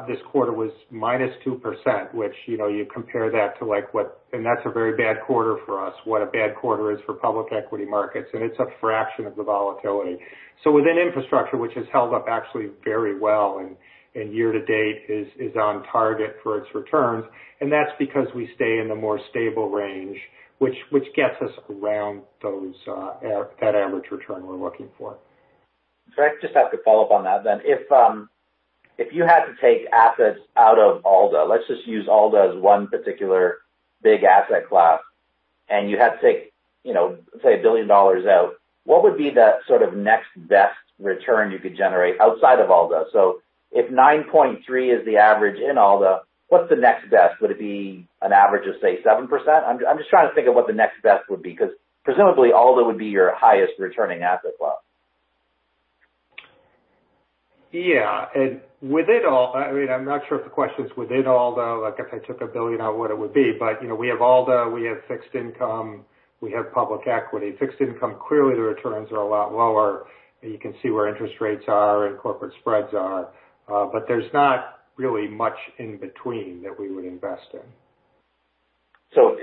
this quarter was -2%, which you compare that to what, and that's a very bad quarter for us, what a bad quarter is for public equity markets. It's a fraction of the volatility. Within infrastructure, which has held up actually very well and year to date is on target for its returns. That is because we stay in the more stable range, which gets us around that average return we are looking for. Sorry. Just have to follow up on that then. If you had to take assets out of Alder, let's just use Alder as one particular big asset class, and you had to take, say, $1 billion out, what would be the sort of next best return you could generate outside of Alder? If 9.3% is the average in Alder, what is the next best? Would it be an average of, say, 7%? I am just trying to think of what the next best would be because presumably Alder would be your highest-returning asset class. Yeah. I mean, I am not sure if the question is within Alder. I guess if I took $1 billion out, what it would be. We have Alder. We have fixed income. We have public equity. Fixed income, clearly the returns are a lot lower. You can see where interest rates are and corporate spreads are. There is not really much in between that we would invest in.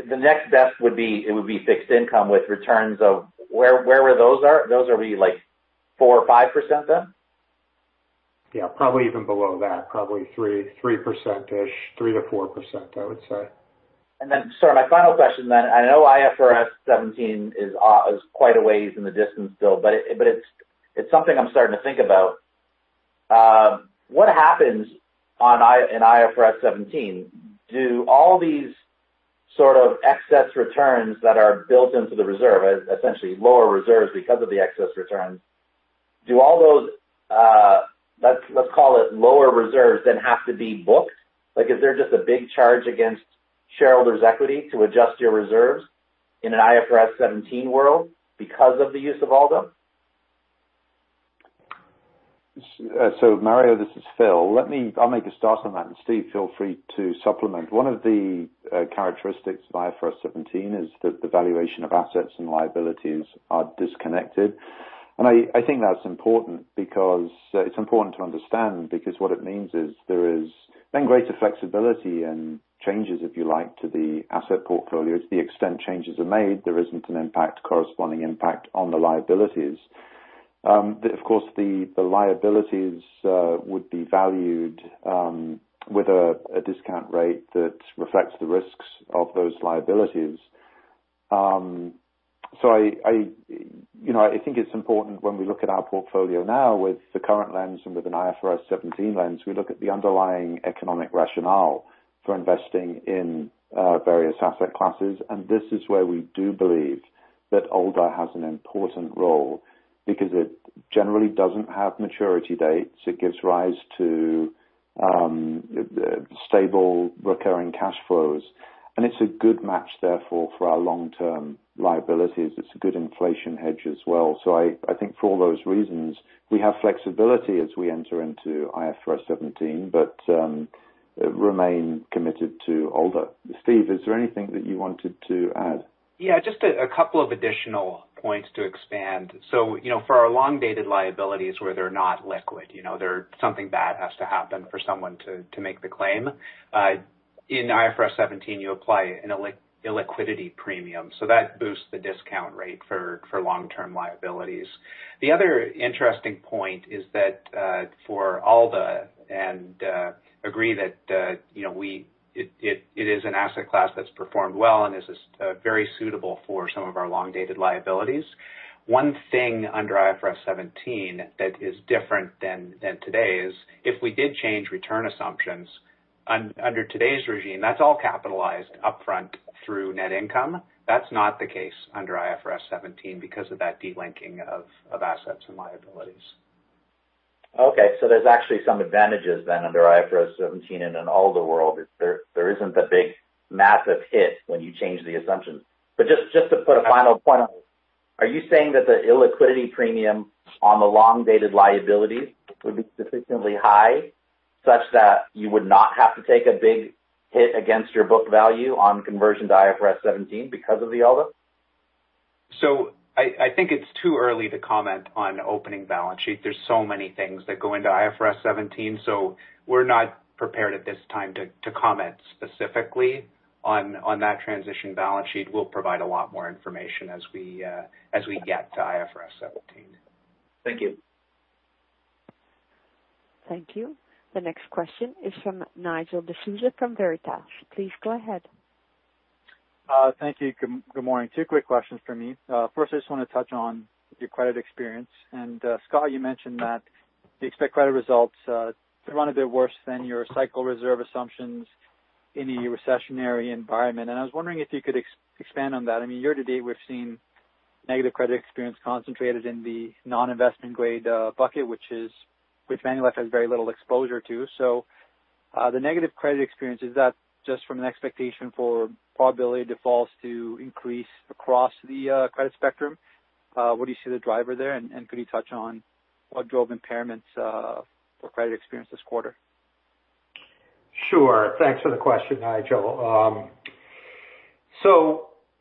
The next best would be fixed income with returns of where were those? Those would be like 4% or 5% then? Yeah. Probably even below that. Probably 3%-ish, 3%-4%, I would say. Sorry, my final question then. I know IFRS 17 is quite a ways in the distance still, but it is something I am starting to think about. What happens in IFRS 17? Do all these sort of excess returns that are built into the reserve, essentially lower reserves because of the excess returns, do all those, let's call it lower reserves, then have to be booked? Is there just a big charge against shareholders' equity to adjust your reserves in an IFRS 17 world because of the use of Alder? Mario, this is Phil. I'll make a start on that, and Steve, feel free to supplement. One of the characteristics of IFRS 17 is that the valuation of assets and liabilities are disconnected. I think that's important because it's important to understand because what it means is there is then greater flexibility and changes, if you like, to the asset portfolio. To the extent changes are made, there isn't an impact, corresponding impact on the liabilities. Of course, the liabilities would be valued with a discount rate that reflects the risks of those liabilities. I think it's important when we look at our portfolio now with the current lens and with an IFRS 17 lens, we look at the underlying economic rationale for investing in various asset classes. This is where we do believe that Alder has an important role because it generally doesn't have maturity dates. It gives rise to stable recurring cash flows. It's a good match, therefore, for our long-term liabilities. It's a good inflation hedge as well. I think for all those reasons, we have flexibility as we enter into IFRS 17, but remain committed to Alder. Steve, is there anything that you wanted to add? Yeah. Just a couple of additional points to expand. For our long-dated liabilities where they're not liquid, something bad has to happen for someone to make the claim. In IFRS 17, you apply an illiquidity premium. That boosts the discount rate for long-term liabilities. The other interesting point is that for Alder, and agree that it is an asset class that's performed well and is very suitable for some of our long-dated liabilities. One thing under IFRS 17 that is different than today is if we did change return assumptions under today's regime, that's all capitalized upfront through net income. That's not the case under IFRS 17 because of that delinking of assets and liabilities. Okay. There are actually some advantages then under IFRS 17 and in Alder world. There isn't a big massive hit when you change the assumptions. Just to put a final point on, are you saying that the illiquidity premium on the long-dated liabilities would be sufficiently high such that you would not have to take a big hit against your book value on conversion to IFRS 17 because of the Alder? I think it's too early to comment on opening balance sheet. There are so many things that go into IFRS 17. We are not prepared at this time to comment specifically on that transition balance sheet. We will provide a lot more information as we get to IFRS 17. Thank you. Thank you. The next question is from Nigel D'Souza from Veritas. Please go ahead. Thank you. Good morning. Two quick questions for me. First, I just want to touch on your credit experience. Scott, you mentioned that you expect credit results to run a bit worse than your cycle reserve assumptions in a recessionary environment. I was wondering if you could expand on that. I mean, year to date, we've seen negative credit experience concentrated in the non-investment-grade bucket, which manufacturers have very little exposure to. The negative credit experience, is that just from an expectation for probability defaults to increase across the credit spectrum? What do you see the driver there? Could you touch on what drove impairments for credit experience this quarter? Sure. Thanks for the question, Nigel.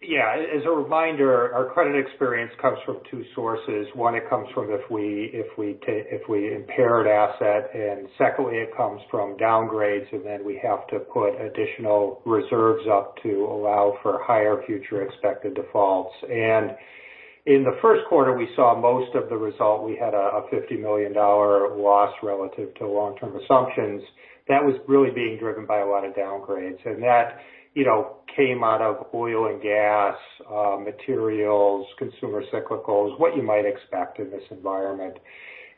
As a reminder, our credit experience comes from two sources. One, it comes from if we impaired asset. Secondly, it comes from downgrades, and then we have to put additional reserves up to allow for higher future expected defaults. In the first quarter, we saw most of the result. We had a $50 million loss relative to long-term assumptions. That was really being driven by a lot of downgrades. That came out of oil and gas, materials, consumer cyclicals, what you might expect in this environment.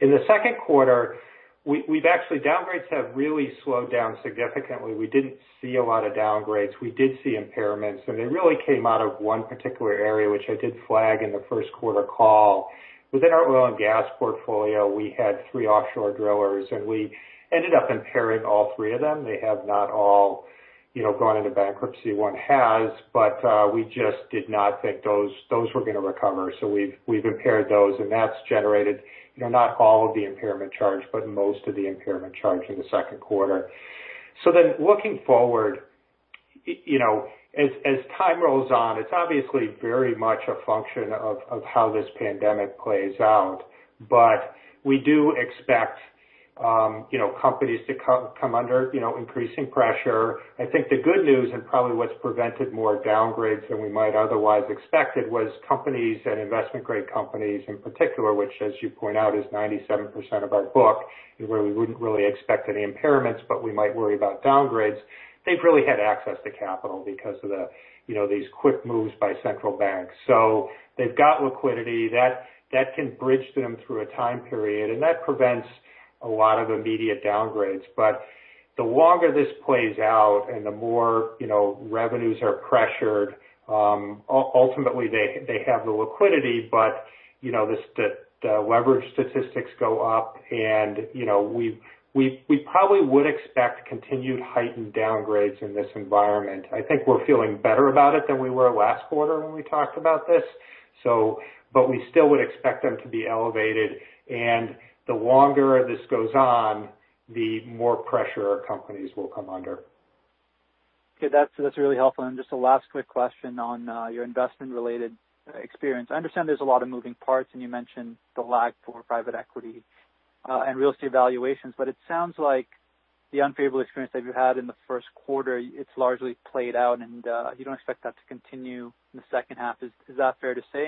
In the second quarter, actually downgrades have really slowed down significantly. We did not see a lot of downgrades. We did see impairments. They really came out of one particular area, which I did flag in the first quarter call. Within our oil and gas portfolio, we had three offshore drillers, and we ended up impairing all three of them. They have not all gone into bankruptcy. One has. We just did not think those were going to recover. We have impaired those. That generated not all of the impairment charge, but most of the impairment charge in the second quarter. Looking forward, as time rolls on, it is obviously very much a function of how this pandemic plays out. We do expect companies to come under increasing pressure. I think the good news and probably what has prevented more downgrades than we might otherwise have expected was companies and investment-grade companies in particular, which, as you point out, is 97% of our book, where we would not really expect any impairments, but we might worry about downgrades. They have really had access to capital because of these quick moves by central banks. They have liquidity. That can bridge them through a time period. That prevents a lot of immediate downgrades. The longer this plays out and the more revenues are pressured, ultimately, they have the liquidity. The leverage statistics go up, and we probably would expect continued heightened downgrades in this environment. I think we're feeling better about it than we were last quarter when we talked about this. We still would expect them to be elevated. The longer this goes on, the more pressure our companies will come under. Okay. That's really helpful. Just a last quick question on your investment-related experience. I understand there's a lot of moving parts, and you mentioned the lag for private equity and real estate valuations. It sounds like the unfavorable experience that you had in the first quarter, it's largely played out, and you don't expect that to continue in the second half. Is that fair to say?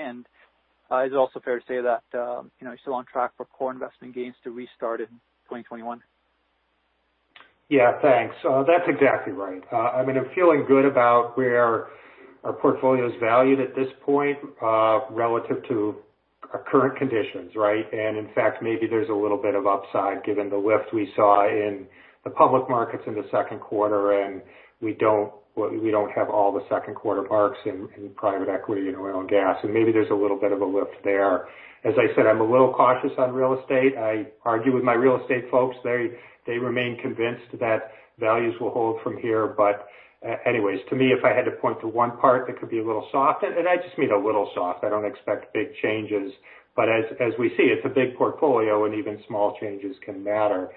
Is it also fair to say that you're still on track for core investment gains to restart in 2021? Yeah. Thanks. That's exactly right. I mean, I'm feeling good about where our portfolio is valued at this point relative to current conditions, right? In fact, maybe there's a little bit of upside given the lift we saw in the public markets in the second quarter. We don't have all the second quarter marks in private equity and oil and gas. Maybe there's a little bit of a lift there. As I said, I'm a little cautious on real estate. I argue with my real estate folks. They remain convinced that values will hold from here. Anyways, to me, if I had to point to one part, it could be a little soft. I just mean a little soft. I don't expect big changes. As we see, it's a big portfolio, and even small changes can matter.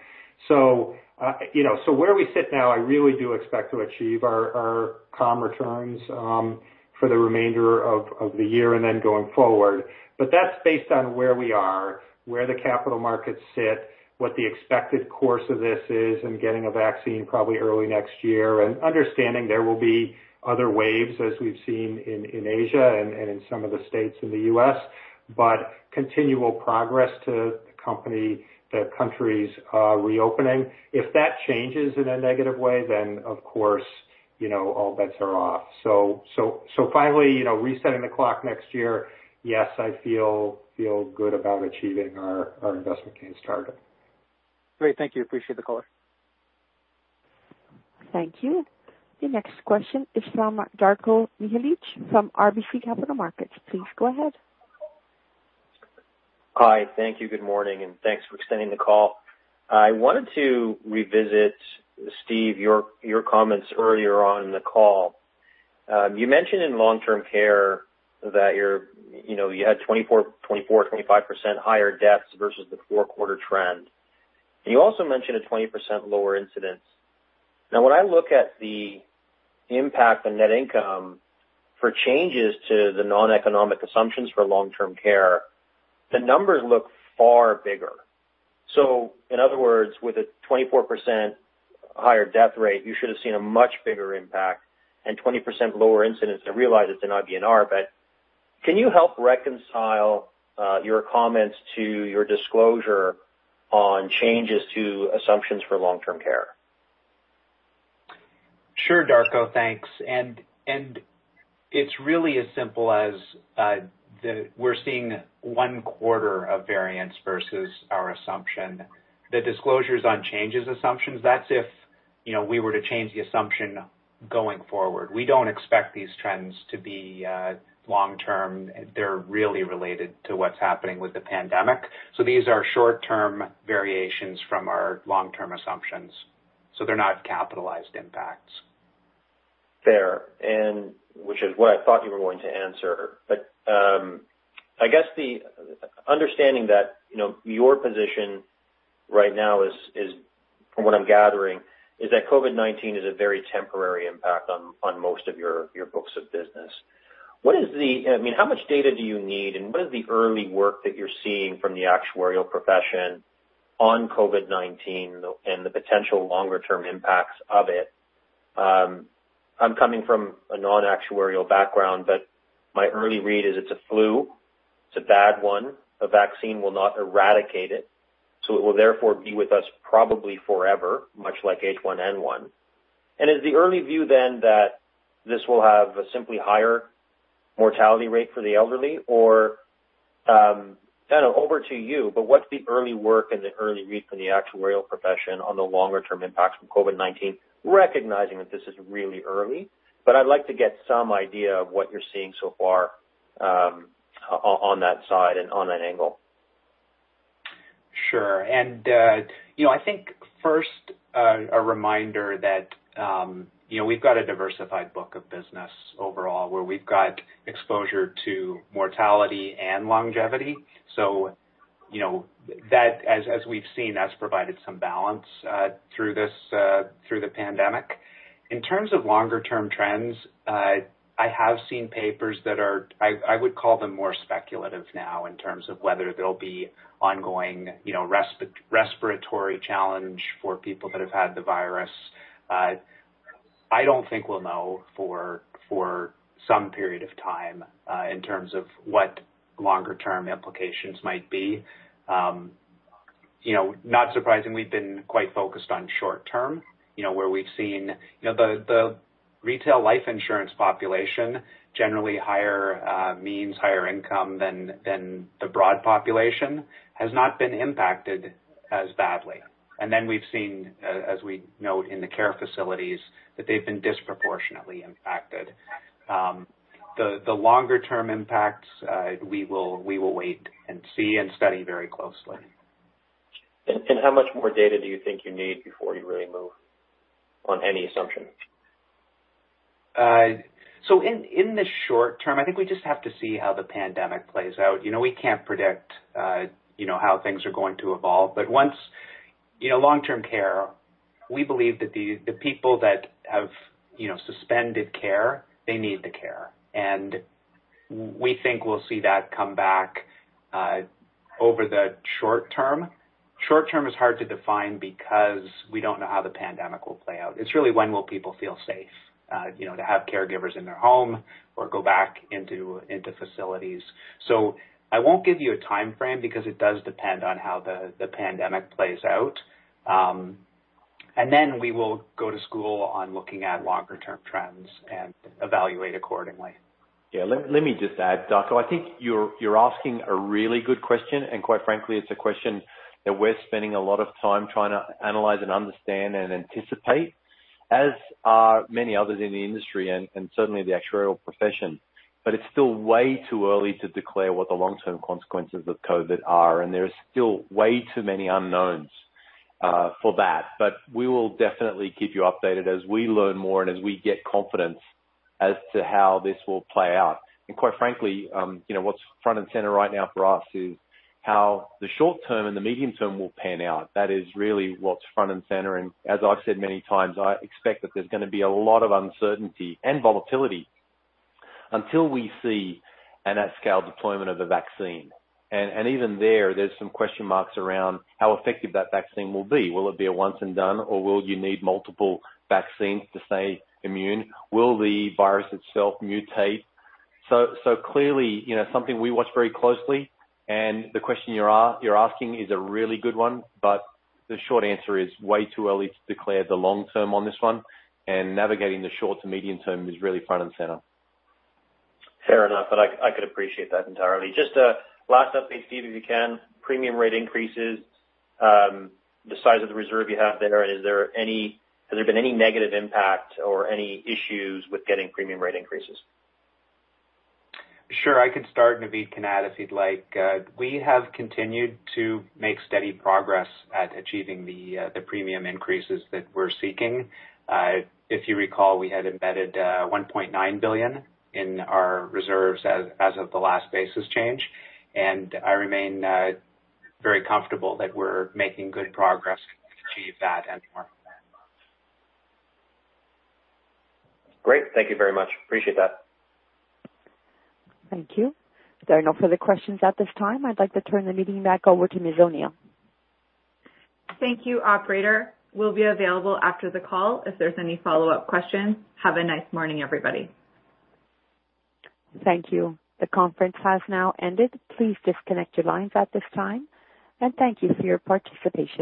Where we sit now, I really do expect to achieve our calm returns for the remainder of the year and then going forward. That is based on where we are, where the capital markets sit, what the expected course of this is, and getting a vaccine probably early next year. Understanding there will be other waves, as we have seen in Asia and in some of the states in the U.S., but continual progress to the country's reopening. If that changes in a negative way, of course, all bets are off. Finally, resetting the clock next year, yes, I feel good about achieving our investment gains target. Great. Thank you. Appreciate the call. Thank you. The next question is from Darko Mihelic from RBC Capital Markets. Please go ahead. Hi. Thank you. Good morning. Thanks for extending the call. I wanted to revisit, Steve, your comments earlier on in the call. You mentioned in long-term care that you had 24-25% higher deaths versus the four-quarter trend. And you also mentioned a 20% lower incidence. Now, when I look at the impact on net income for changes to the non-economic assumptions for long-term care, the numbers look far bigger. So in other words, with a 24% higher death rate, you should have seen a much bigger impact and 20% lower incidence. I realize it's an IBNR, but can you help reconcile your comments to your disclosure on changes to assumptions for long-term care? Sure, Darko. Thanks. It's really as simple as we're seeing one quarter of variance versus our assumption. The disclosures on changes assumptions, that's if we were to change the assumption going forward. We don't expect these trends to be long-term. They're really related to what's happening with the pandemic. These are short-term variations from our long-term assumptions. They're not capitalized impacts. Fair. Which is what I thought you were going to answer. I guess the understanding that your position right now is, from what I'm gathering, is that COVID-19 is a very temporary impact on most of your books of business. What is the—I mean, how much data do you need? What is the early work that you're seeing from the actuarial profession on COVID-19 and the potential longer-term impacts of it? I'm coming from a non-actuarial background, but my early read is it's a flu. It's a bad one. A vaccine will not eradicate it. It will therefore be with us probably forever, much like H1N1. Is the early view then that this will have a simply higher mortality rate for the elderly? I don't know. Over to you. What's the early work and the early read from the actuarial profession on the longer-term impacts from COVID-19, recognizing that this is really early? I'd like to get some idea of what you're seeing so far on that side and on that angle. Sure. I think first, a reminder that we've got a diversified book of business overall where we've got exposure to mortality and longevity. That, as we've seen, has provided some balance through the pandemic. In terms of longer-term trends, I have seen papers that are—I would call them more speculative now in terms of whether there'll be ongoing respiratory challenge for people that have had the virus. I don't think we'll know for some period of time in terms of what longer-term implications might be. Not surprising, we've been quite focused on short-term where we've seen the retail life insurance population, generally higher means, higher income than the broad population, has not been impacted as badly. We've seen, as we note in the care facilities, that they've been disproportionately impacted. The longer-term impacts, we will wait and see and study very closely. How much more data do you think you need before you really move on any assumption? In the short term, I think we just have to see how the pandemic plays out. We can't predict how things are going to evolve. Once long-term care, we believe that the people that have suspended care, they need the care. We think we'll see that come back over the short term. Short term is hard to define because we do not know how the pandemic will play out. It is really when will people feel safe to have caregivers in their home or go back into facilities. I will not give you a time frame because it does depend on how the pandemic plays out. We will go to school on looking at longer-term trends and evaluate accordingly. Yeah. Let me just add, Darko. I think you are asking a really good question. Quite frankly, it is a question that we are spending a lot of time trying to analyze and understand and anticipate, as are many others in the industry and certainly the actuarial profession. It is still way too early to declare what the long-term consequences of COVID are. There are still way too many unknowns for that. We will definitely keep you updated as we learn more and as we get confidence as to how this will play out. Quite frankly, what is front and center right now for us is how the short term and the medium term will pan out. That is really what is front and center. As I have said many times, I expect that there is going to be a lot of uncertainty and volatility until we see an at-scale deployment of the vaccine. Even there, there are some question marks around how effective that vaccine will be. Will it be a once and done, or will you need multiple vaccines to stay immune? Will the virus itself mutate? Clearly, that is something we watch very closely. The question you are asking is a really good one. The short answer is it is way too early to declare the long term on this one. Navigating the short to medium term is really front and center. Fair enough. I could appreciate that entirely. Just a last update, Steve, if you can. Premium rate increases, the size of the reserve you have there. Has there been any negative impact or any issues with getting premium rate increases? Sure. I could start and Naveed can add if he'd like. We have continued to make steady progress at achieving the premium increases that we're seeking. If you recall, we had embedded $1.9 billion in our reserves as of the last basis change. I remain very comfortable that we're making good progress to achieve that and more. Great. Thank you very much. Appreciate that. Thank you. There are no further questions at this time. I'd like to turn the meeting back over to Ms. O'Neil. Thank you, Operator. We'll be available after the call if there's any follow-up questions. Have a nice morning, everybody. Thank you. The conference has now ended. Please disconnect your lines at this time. Thank you for your participation.